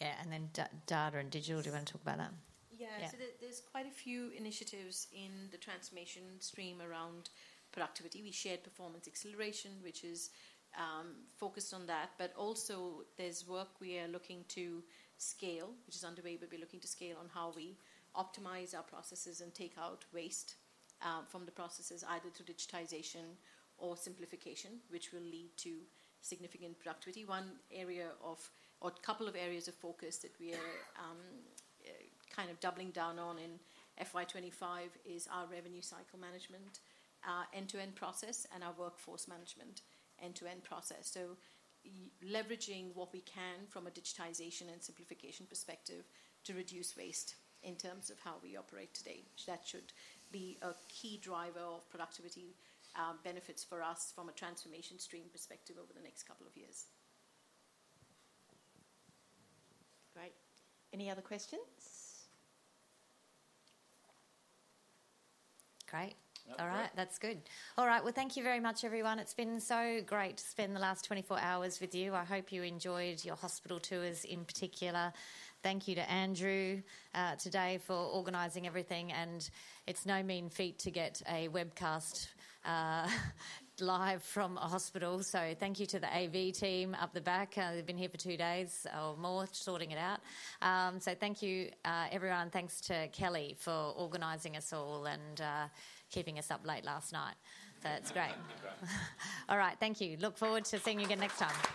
Yeah, and then data and digital. Do you want to talk about that? Yeah. Yeah. So there, there's quite a few initiatives in the transformation stream around productivity. We shared Performance Acceleration, which is focused on that, but also there's work we are looking to scale, which is underway, but we're looking to scale on how we optimize our processes and take out waste from the processes, either through digitization or simplification, which will lead to significant productivity. One area of, or couple of areas of focus that we are kind of doubling down on in FY twenty-five is our revenue cycle management end-to-end process and our workforce management end-to-end process. So, leveraging what we can from a digitization and simplification perspective to reduce waste in terms of how we operate today, that should be a key driver of productivity benefits for us from a transformation stream perspective over the next couple of years. Great. Any other questions? Great. Yeah. All right. That's good. All right. Well, thank you very much, everyone. It's been so great to spend the last twenty-four hours with you. I hope you enjoyed your hospital tours in particular. Thank you to Andrew today for organizing everything, and it's no mean feat to get a webcast live from a hospital. So thank you to the AV team up the back. They've been here for two days or more, sorting it out. So thank you everyone. Thanks to Kelly for organizing us all and keeping us up late last night. That's great. Great. All right, thank you. Look forward to seeing you again next time.